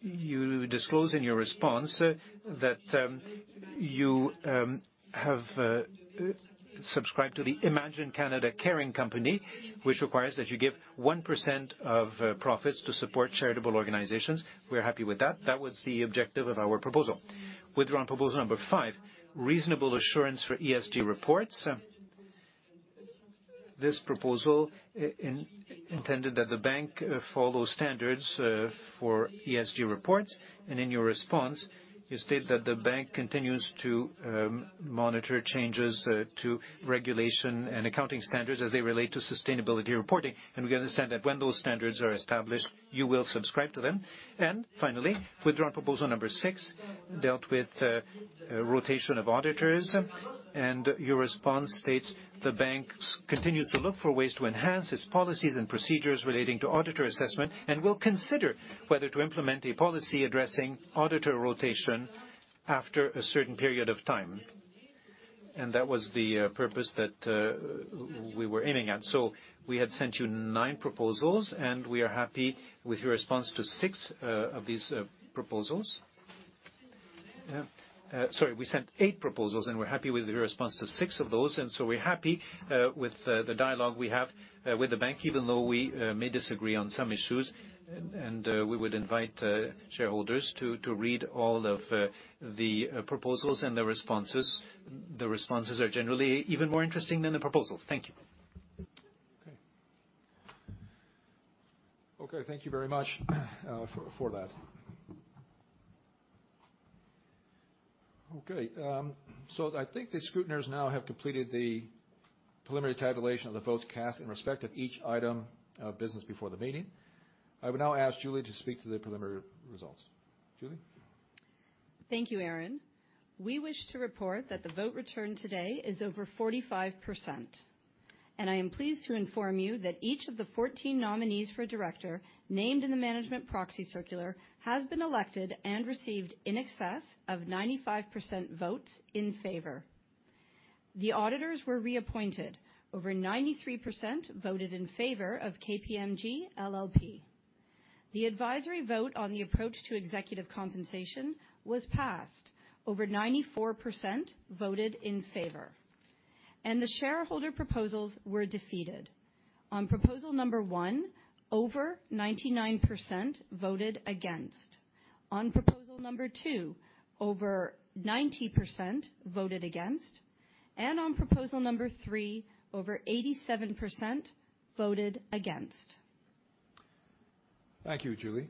You disclose in your response that you have subscribed to the Imagine Canada Caring Company, which requires that you give 1% of profits to support charitable organizations. We're happy with that. That was the objective of our proposal. Withdrawn proposal number 5, reasonable assurance for ESG reports. This proposal intended that the bank follow standards for ESG reports. In your response, you state that the bank continues to monitor changes to regulation and accounting standards as they relate to sustainability reporting. We understand that when those standards are established, you will subscribe to them. Finally, withdrawn proposal number 6 dealt with rotation of auditors. Your response states, "The bank continues to look for ways to enhance its policies and procedures relating to auditor assessment and will consider whether to implement a policy addressing auditor rotation after a certain period of time." That was the purpose that we were aiming at. We had sent you 9 proposals. We are happy with your response to 6 of these proposals. Sorry. We sent 8 proposals. We're happy with your response to 6 of those. And so we're happy with the dialogue we have with the bank, even though we may disagree on some issues. We would invite shareholders to read all of the proposals and the responses. The responses are generally even more interesting than the proposals. Thank you. Okay. Okay. Thank you very much for that. Okay. So I think the scrutineers now have completed the preliminary tabulation of the votes cast in respect of each item of business before the meeting. I would now ask Julie to speak to the preliminary results. Julie? Thank you, Aaron. We wish to report that the vote returned today is over 45%. I am pleased to inform you that each of the 14 nominees for director named in the management proxy circular has been elected and received in excess of 95% votes in favor. The auditors were reappointed. Over 93% voted in favor of KPMG LLP. The advisory vote on the approach to executive compensation was passed. Over 94% voted in favor. The shareholder proposals were defeated. On proposal number one, over 99% voted against. On proposal number two, over 90% voted against. On proposal number three, over 87% voted against. Thank you, Julie.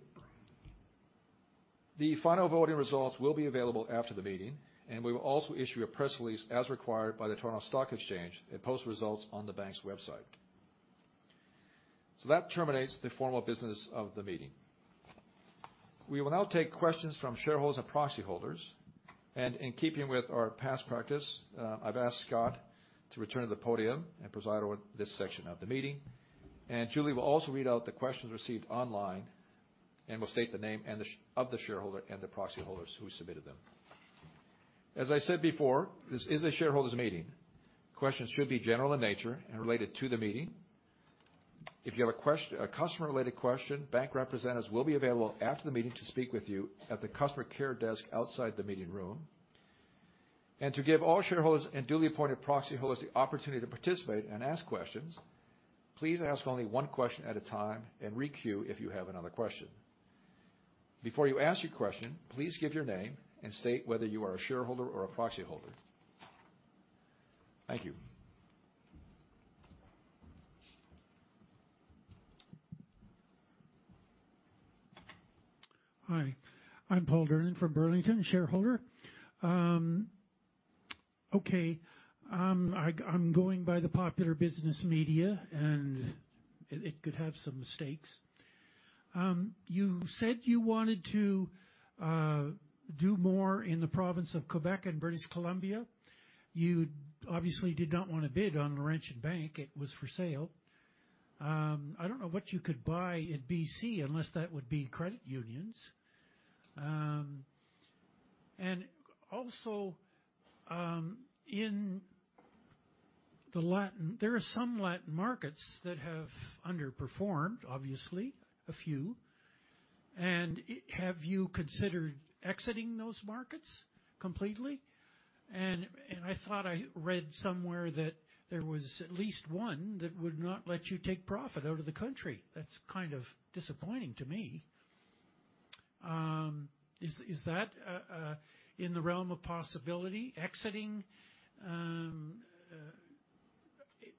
The final voting results will be available after the meeting. We will also issue a press release as required by the Toronto Stock Exchange that posts results on the bank's website. That terminates the formal business of the meeting. We will now take questions from shareholders and proxy holders. In keeping with our past practice, I've asked Scott to return to the podium and preside over this section of the meeting. Julie will also read out the questions received online and will state the name of the shareholder and the proxy holders who submitted them. As I said before, this is a shareholders' meeting. Questions should be general in nature and related to the meeting. If you have a customer-related question, bank representatives will be available after the meeting to speak with you at the customer care desk outside the meeting room. To give all shareholders and duly appointed proxy holders the opportunity to participate and ask questions, please ask only one question at a time and requeue if you have another question. Before you ask your question, please give your name and state whether you are a shareholder or a proxy holder. Thank you. Hi. I'm Paul Durnan from Burlington, shareholder. Okay. I'm going by the popular business media. It could have some mistakes. You said you wanted to do more in the province of Quebec and British Columbia. You obviously did not want to bid on Laurentian Bank. It was for sale. I don't know what you could buy in BC unless that would be credit unions. Also, in the Latin, there are some Latin markets that have underperformed, obviously, a few. Have you considered exiting those markets completely? I thought I read somewhere that there was at least one that would not let you take profit out of the country. That's kind of disappointing to me. Is that in the realm of possibility, exiting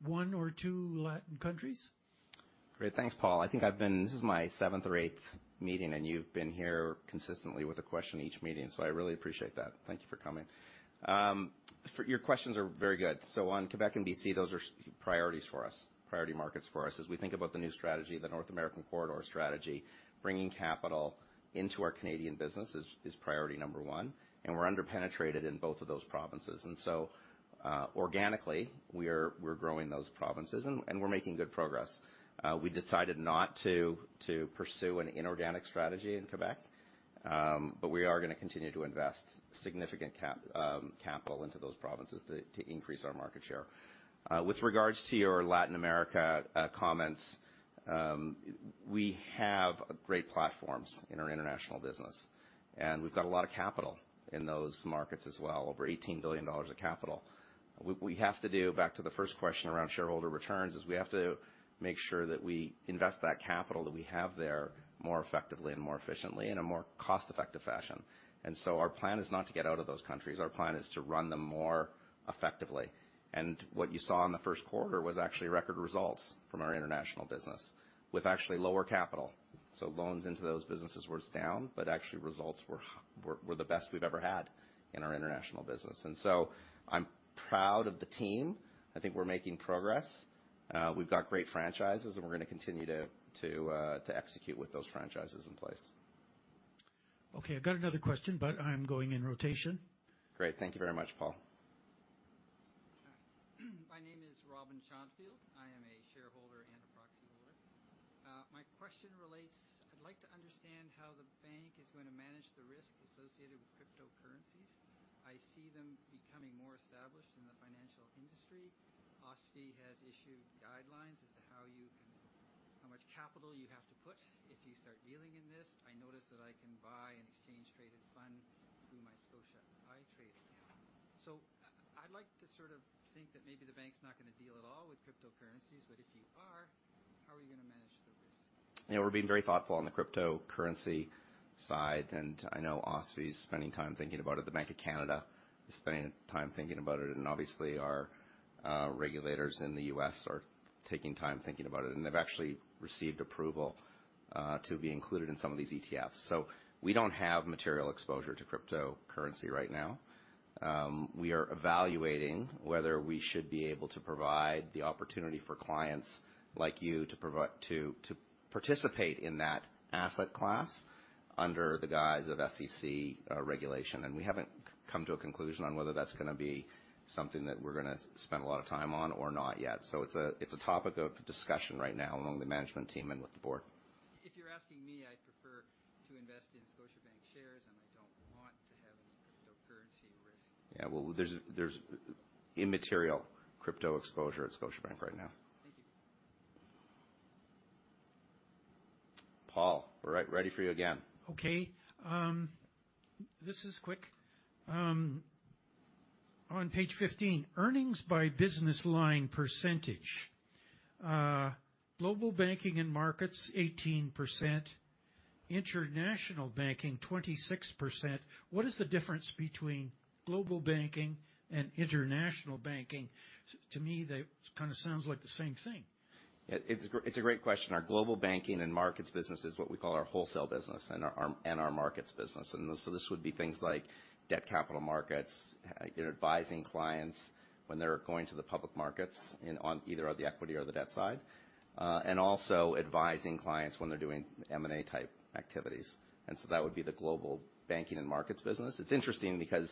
one or two Latin countries? Great. Thanks, Paul. I think this is my seventh or eighth meeting. And you've been here consistently with a question each meeting. So I really appreciate that. Thank you for coming. Your questions are very good. So on Quebec and BC, those are priorities for us, priority markets for us. As we think about the new strategy, the North American Corridor strategy, bringing capital into our Canadian business is priority number one. And we're underpenetrated in both of those provinces. And so organically, we're growing those provinces. And we're making good progress. We decided not to pursue an inorganic strategy in Quebec. But we are going to continue to invest significant capital into those provinces to increase our market share. With regards to your Latin America comments, we have great platforms in our international business. We've got a lot of capital in those markets as well, over $18 billion of capital. What we have to do, back to the first question around shareholder returns, is we have to make sure that we invest that capital that we have there more effectively and more efficiently in a more cost-effective fashion. And so our plan is not to get out of those countries. Our plan is to run them more effectively. And what you saw in the first quarter was actually record results from our international business with actually lower capital. So loans into those businesses were down. But actually, results were the best we've ever had in our international business. And so I'm proud of the team. I think we're making progress. We've got great franchises. And we're going to continue to execute with those franchises in place. Okay. I've got another question. But I'm going in rotation. Great. Thank you very much, Paul. My name is Robin Schottfield. I am a shareholder and a proxy holder. My question relates. I'd like to understand how the bank is going to manage the risk associated with cryptocurrencies. I see them becoming more established in the financial industry. OSFI has issued guidelines as to how you can how much capital you have to put if you start dealing in this. I noticed that I can buy an exchange-traded fund through my Scotia iTrade account. So I'd like to sort of think that maybe the bank's not going to deal at all with cryptocurrencies. But if you are, how are you going to manage the risk? Yeah. We're being very thoughtful on the cryptocurrency side. And I know OSFI's spending time thinking about it. The Bank of Canada is spending time thinking about it. And obviously, our regulators in the U.S. are taking time thinking about it. And they've actually received approval to be included in some of these ETFs. So we don't have material exposure to cryptocurrency right now. We are evaluating whether we should be able to provide the opportunity for clients like you to participate in that asset class under the guise of SEC regulation. And we haven't come to a conclusion on whether that's going to be something that we're going to spend a lot of time on or not yet. So it's a topic of discussion right now among the management team and with the board. If you're asking me, I prefer to invest in Scotiabank shares. I don't want to have any cryptocurrency risk. Yeah. Well, there's immaterial crypto exposure at Scotiabank right now. Thank you. Paul, we're ready for you again. Okay. This is quick. On page 15, earnings by business line percentage. Global Banking and Markets, 18%. International Banking, 26%. What is the difference between Global Banking and Markets and International Banking? To me, that kind of sounds like the same thing. It's a great question. Our global banking and markets business is what we call our wholesale business and our markets business. And so this would be things like debt capital markets, advising clients when they're going to the public markets on either the equity or the debt side, and also advising clients when they're doing M&A-type activities. And so that would be the global banking and markets business. It's interesting because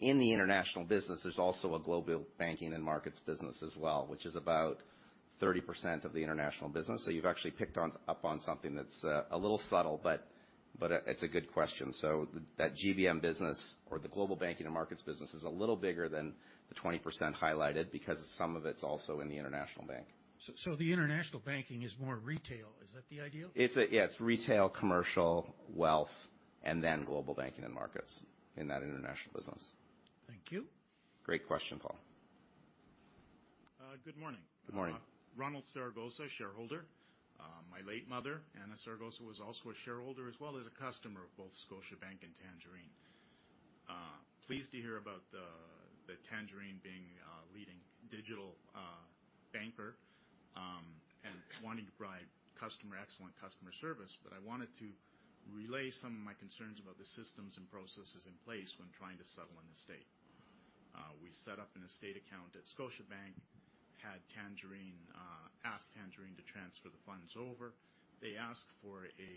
in the international business, there's also a global banking and markets business as well, which is about 30% of the international business. So you've actually picked up on something that's a little subtle. But it's a good question. So that GBM business or the global banking and markets business is a little bigger than the 20% highlighted because some of it's also in the international bank. So the international banking is more retail. Is that the idea? Yeah. It's retail, commercial, wealth, and then global banking and markets in that international business. Thank you. Great question, Paul. Good morning. Good morning. Ronald Saragossa, shareholder. My late mother, Anna Saragossa, was also a shareholder as well as a customer of both Scotiabank and Tangerine. Pleased to hear about the Tangerine being a leading digital banker and wanting to provide excellent customer service. But I wanted to relay some of my concerns about the systems and processes in place when trying to settle an estate. We set up an estate account at Scotiabank, asked Tangerine to transfer the funds over. They asked for a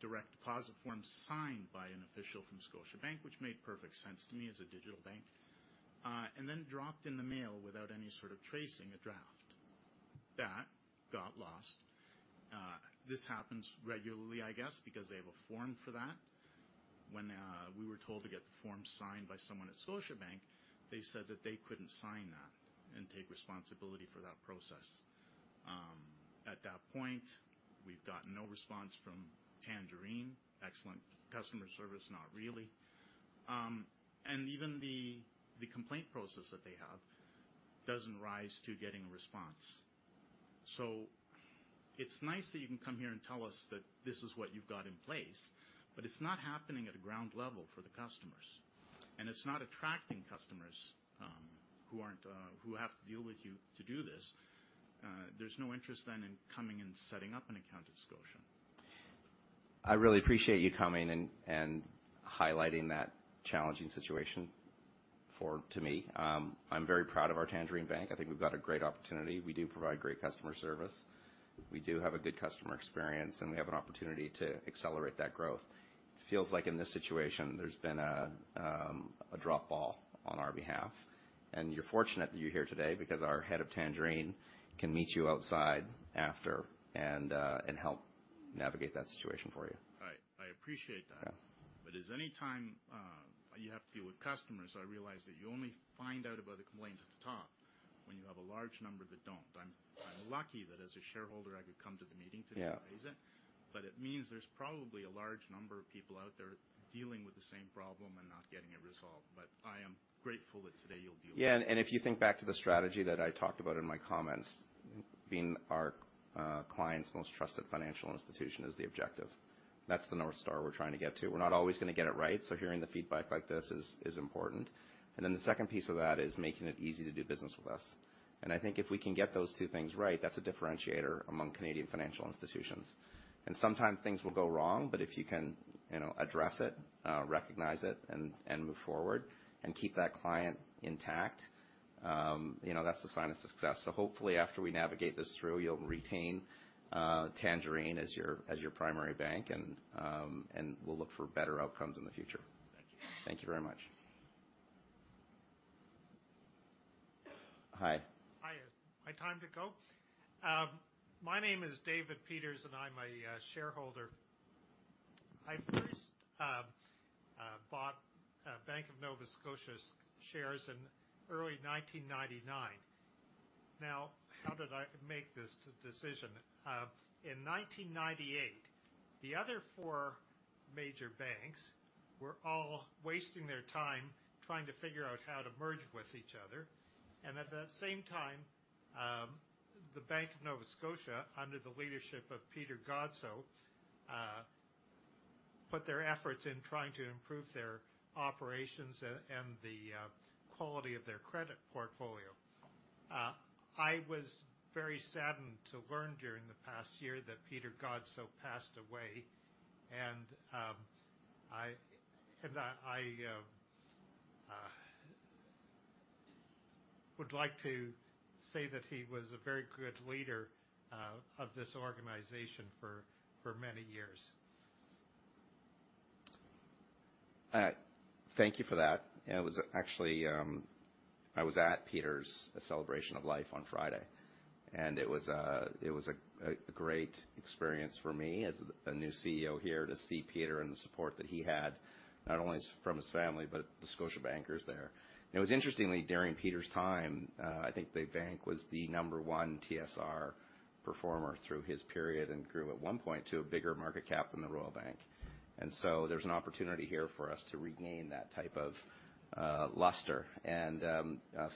direct deposit form signed by an official from Scotiabank, which made perfect sense to me as a digital bank, and then dropped in the mail without any sort of tracing a draft. That got lost. This happens regularly, I guess, because they have a form for that. When we were told to get the form signed by someone at Scotiabank, they said that they couldn't sign that and take responsibility for that process. At that point, we've gotten no response from Tangerine. Excellent customer service? Not really. And even the complaint process that they have doesn't rise to getting a response. So it's nice that you can come here and tell us that this is what you've got in place. But it's not happening at a ground level for the customers. And it's not attracting customers who have to deal with you to do this. There's no interest then in coming and setting up an account at Scotia. I really appreciate you coming and highlighting that challenging situation to me. I'm very proud of our Tangerine Bank. I think we've got a great opportunity. We do provide great customer service. We do have a good customer experience. And we have an opportunity to accelerate that growth. It feels like in this situation, there's been a drop ball on our behalf. And you're fortunate that you're here today because our head of Tangerine can meet you outside after and help navigate that situation for you. I appreciate that. But any time you have to deal with customers, I realize that you only find out about the complaints at the top when you have a large number that don't. I'm lucky that as a shareholder, I could come to the meeting today and raise it. But it means there's probably a large number of people out there dealing with the same problem and not getting it resolved. But I am grateful that today, you'll deal with it. Yeah. And if you think back to the strategy that I talked about in my comments, being our client's most trusted financial institution is the objective. That's the North Star we're trying to get to. We're not always going to get it right. So hearing the feedback like this is important. And then the second piece of that is making it easy to do business with us. And I think if we can get those two things right, that's a differentiator among Canadian financial institutions. And sometimes, things will go wrong. But if you can address it, recognize it, and move forward, and keep that client intact, that's a sign of success. So hopefully, after we navigate this through, you'll retain Tangerine as your primary bank. And we'll look for better outcomes in the future. Thank you. Thank you very much. Hi. Hi. My time to go. My name is David Peters. And I'm a shareholder. I first bought Bank of Nova Scotia's shares in early 1999. Now, how did I make this decision? In 1998, the other four major banks were all wasting their time trying to figure out how to merge with each other. And at the same time, the Bank of Nova Scotia, under the leadership of Peter Godsoe, put their efforts in trying to improve their operations and the quality of their credit portfolio. I was very saddened to learn during the past year that Peter Godsoe passed away. And I would like to say that he was a very good leader of this organization for many years. Thank you for that. Actually, I was at Peter's celebration of life on Friday. And it was a great experience for me as a new CEO here to see Peter and the support that he had, not only from his family but the Scotia bankers there. And it was interestingly, during Peter's time, I think the bank was the number one TSR performer through his period and grew, at one point, to a bigger market cap than the Royal Bank. And so there's an opportunity here for us to regain that type of luster. And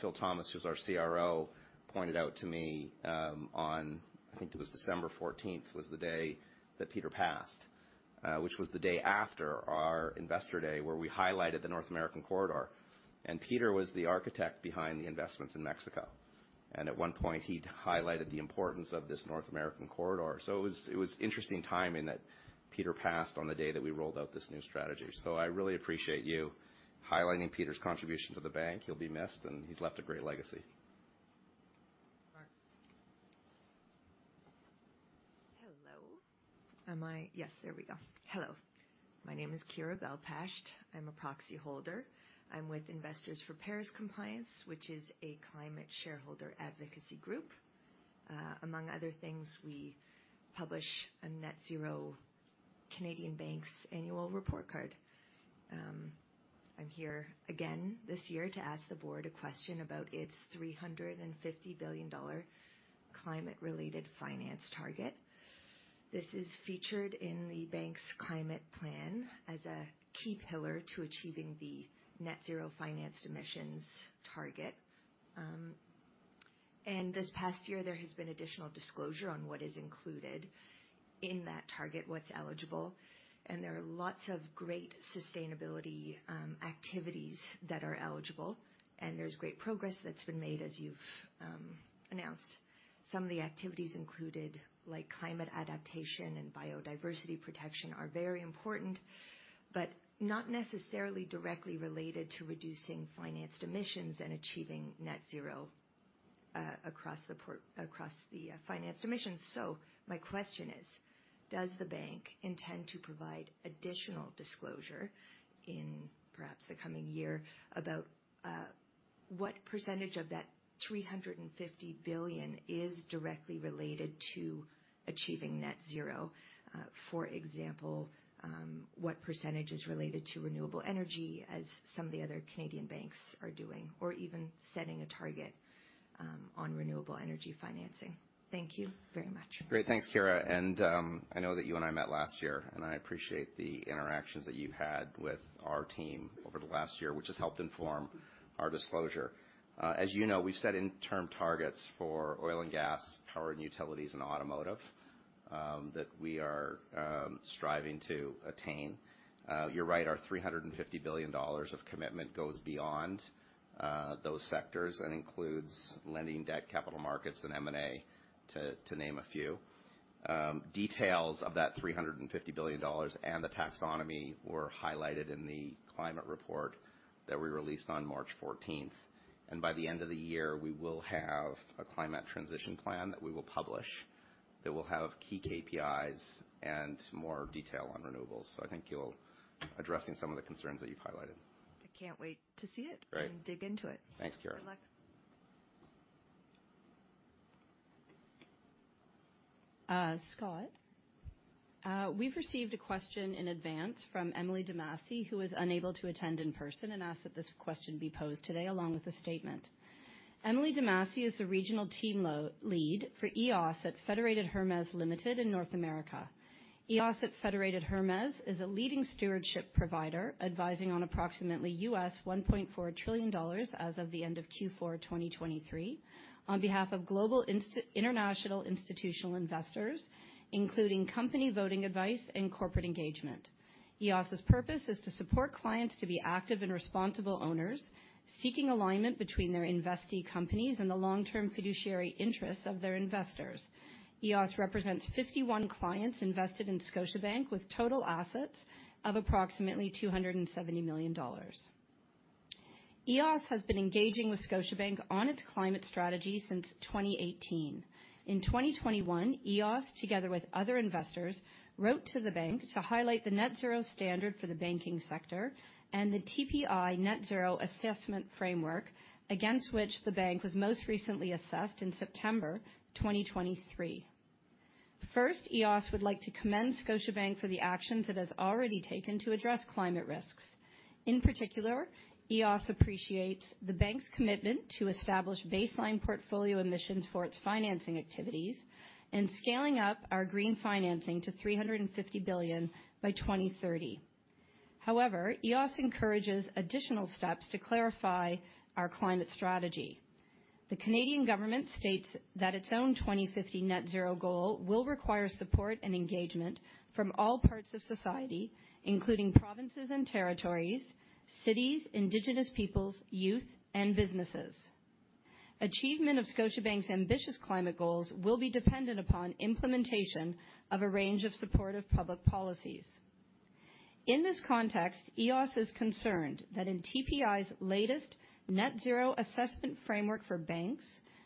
Phil Thomas, who's our CRO, pointed out to me on I think it was December 14th was the day that Peter passed, which was the day after our investor day where we highlighted the North American Corridor. And Peter was the architect behind the investments in Mexico. At one point, he'd highlighted the importance of this North American Corridor. So it was interesting timing that Peter passed on the day that we rolled out this new strategy. So I really appreciate you highlighting Peter's contribution to the bank. He'll be missed. He's left a great legacy. Hello. Yes. There we go. Hello. My name is Kyra Bell-Pasht. I'm a proxy holder. I'm with Investors for Paris Compliance, which is a climate shareholder advocacy group. Among other things, we publish a net-zero Canadian banks annual report card. I'm here again this year to ask the board a question about its $350 billion climate-related finance target. This is featured in the bank's climate plan as a key pillar to achieving the net-zero financed emissions target. And this past year, there has been additional disclosure on what is included in that target, what's eligible. And there are lots of great sustainability activities that are eligible. And there's great progress that's been made, as you've announced. Some of the activities included, like climate adaptation and biodiversity protection, are very important but not necessarily directly related to reducing financed emissions and achieving net-zero across the financed emissions. My question is, does the bank intend to provide additional disclosure in perhaps the coming year about what percentage of that 350 billion is directly related to achieving net-zero? For example, what percentage is related to renewable energy, as some of the other Canadian banks are doing, or even setting a target on renewable energy financing? Thank you very much. Great. Thanks, Kyra. I know that you and I met last year. I appreciate the interactions that you've had with our team over the last year, which has helped inform our disclosure. As you know, we've set interim targets for oil and gas, power and utilities, and automotive that we are striving to attain. You're right. Our 350 billion dollars of commitment goes beyond those sectors and includes lending debt, capital markets, and M&A, to name a few. Details of that 350 billion dollars and the taxonomy were highlighted in the climate report that we released on March 14th. By the end of the year, we will have a climate transition plan that we will publish that will have key KPIs and more detail on renewables. So I think you'll address some of the concerns that you've highlighted. I can't wait to see it and dig into it. Great. Thanks, Kyra. Good luck. Scott, we've received a question in advance from Emily DeMasi, who is unable to attend in person and asked that this question be posed today along with a statement. Emily DeMasi is the regional team lead for EOSS at Federated Hermes Limited in North America. EOSS at Federated Hermes is a leading stewardship provider advising on approximately $1.4 trillion as of the end of Q4 2023 on behalf of global international institutional investors, including company voting advice and corporate engagement. EOSS's purpose is to support clients to be active and responsible owners, seeking alignment between their investee companies and the long-term fiduciary interests of their investors. EOSS represents 51 clients invested in Scotiabank with total assets of approximately $270 million. EOSS has been engaging with Scotiabank on its climate strategy since 2018. In 2021, EOSS, together with other investors, wrote to the bank to highlight the net-zero standard for the banking sector and the TPI net-zero assessment framework against which the bank was most recently assessed in September 2023. First, EOSS would like to commend Scotiabank for the actions it has already taken to address climate risks. In particular, EOSS appreciates the bank's commitment to establish baseline portfolio emissions for its financing activities and scaling up our green financing to $350 billion by 2030. However, EOSS encourages additional steps to clarify our climate strategy. The Canadian government states that its own 2050 net-zero goal will require support and engagement from all parts of society, including provinces and territories, cities, Indigenous peoples, youth, and businesses. Achievement of Scotiabank's ambitious climate goals will be dependent upon implementation of a range of supportive public policies. In this context, EOSS is concerned that in TPI's latest net-zero assessment framework for banks,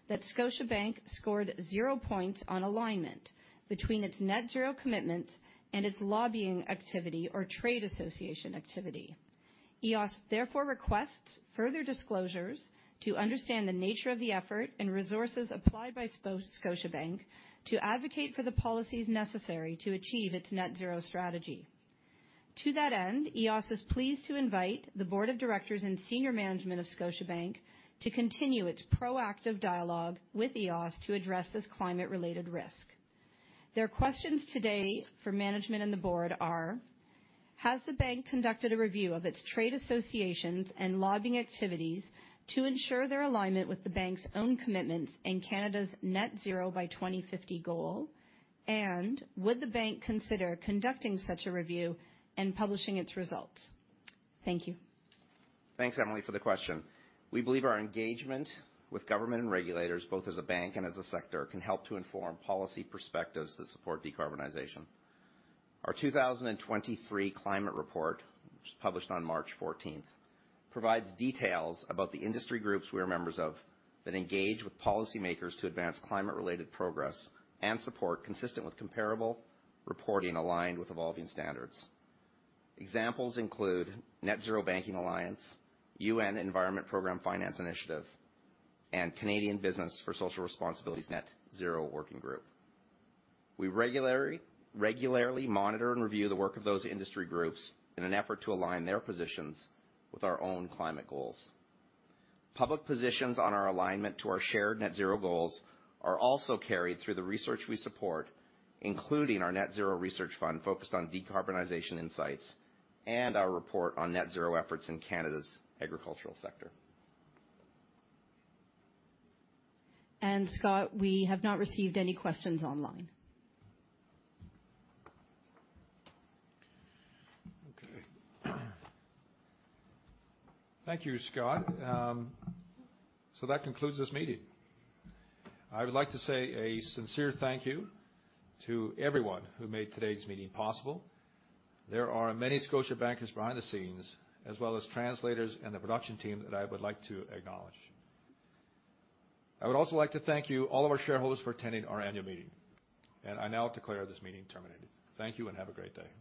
that Scotiabank scored 0 points on alignment between its net-zero commitment and its lobbying activity or trade association activity. EOSS therefore requests further disclosures to understand the nature of the effort and resources applied by Scotiabank to advocate for the policies necessary to achieve its net-zero strategy. To that end, EOSS is pleased to invite the board of directors and senior management of Scotiabank to continue its proactive dialogue with EOSS to address this climate-related risk. Their questions today for management and the board are: has the bank conducted a review of its trade associations and lobbying activities to ensure their alignment with the bank's own commitments and Canada's net-zero by 2050 goal? And would the bank consider conducting such a review and publishing its results? Thank you. Thanks, Emily, for the question. We believe our engagement with government and regulators, both as a bank and as a sector, can help to inform policy perspectives that support decarbonization. Our 2023 climate report, which was published on March 14th, provides details about the industry groups we are members of that engage with policymakers to advance climate-related progress and support consistent with comparable reporting aligned with evolving standards. Examples include Net Zero Banking Alliance, UN Environment Program Finance Initiative, and Canadian Business for Social Responsibility Net Zero Working Group. We regularly monitor and review the work of those industry groups in an effort to align their positions with our own climate goals. Public positions on our alignment to our shared net-zero goals are also carried through the research we support, including our Net Zero Research Fund focused on decarbonization insights and our report on net-zero efforts in Canada's agricultural sector. Scott, we have not received any questions online. Okay. Thank you, Scott. That concludes this meeting. I would like to say a sincere thank you to everyone who made today's meeting possible. There are many Scotia bankers behind the scenes, as well as translators and the production team, that I would like to acknowledge. I would also like to thank you, all of our shareholders, for attending our annual meeting. I now declare this meeting terminated. Thank you. Have a great day.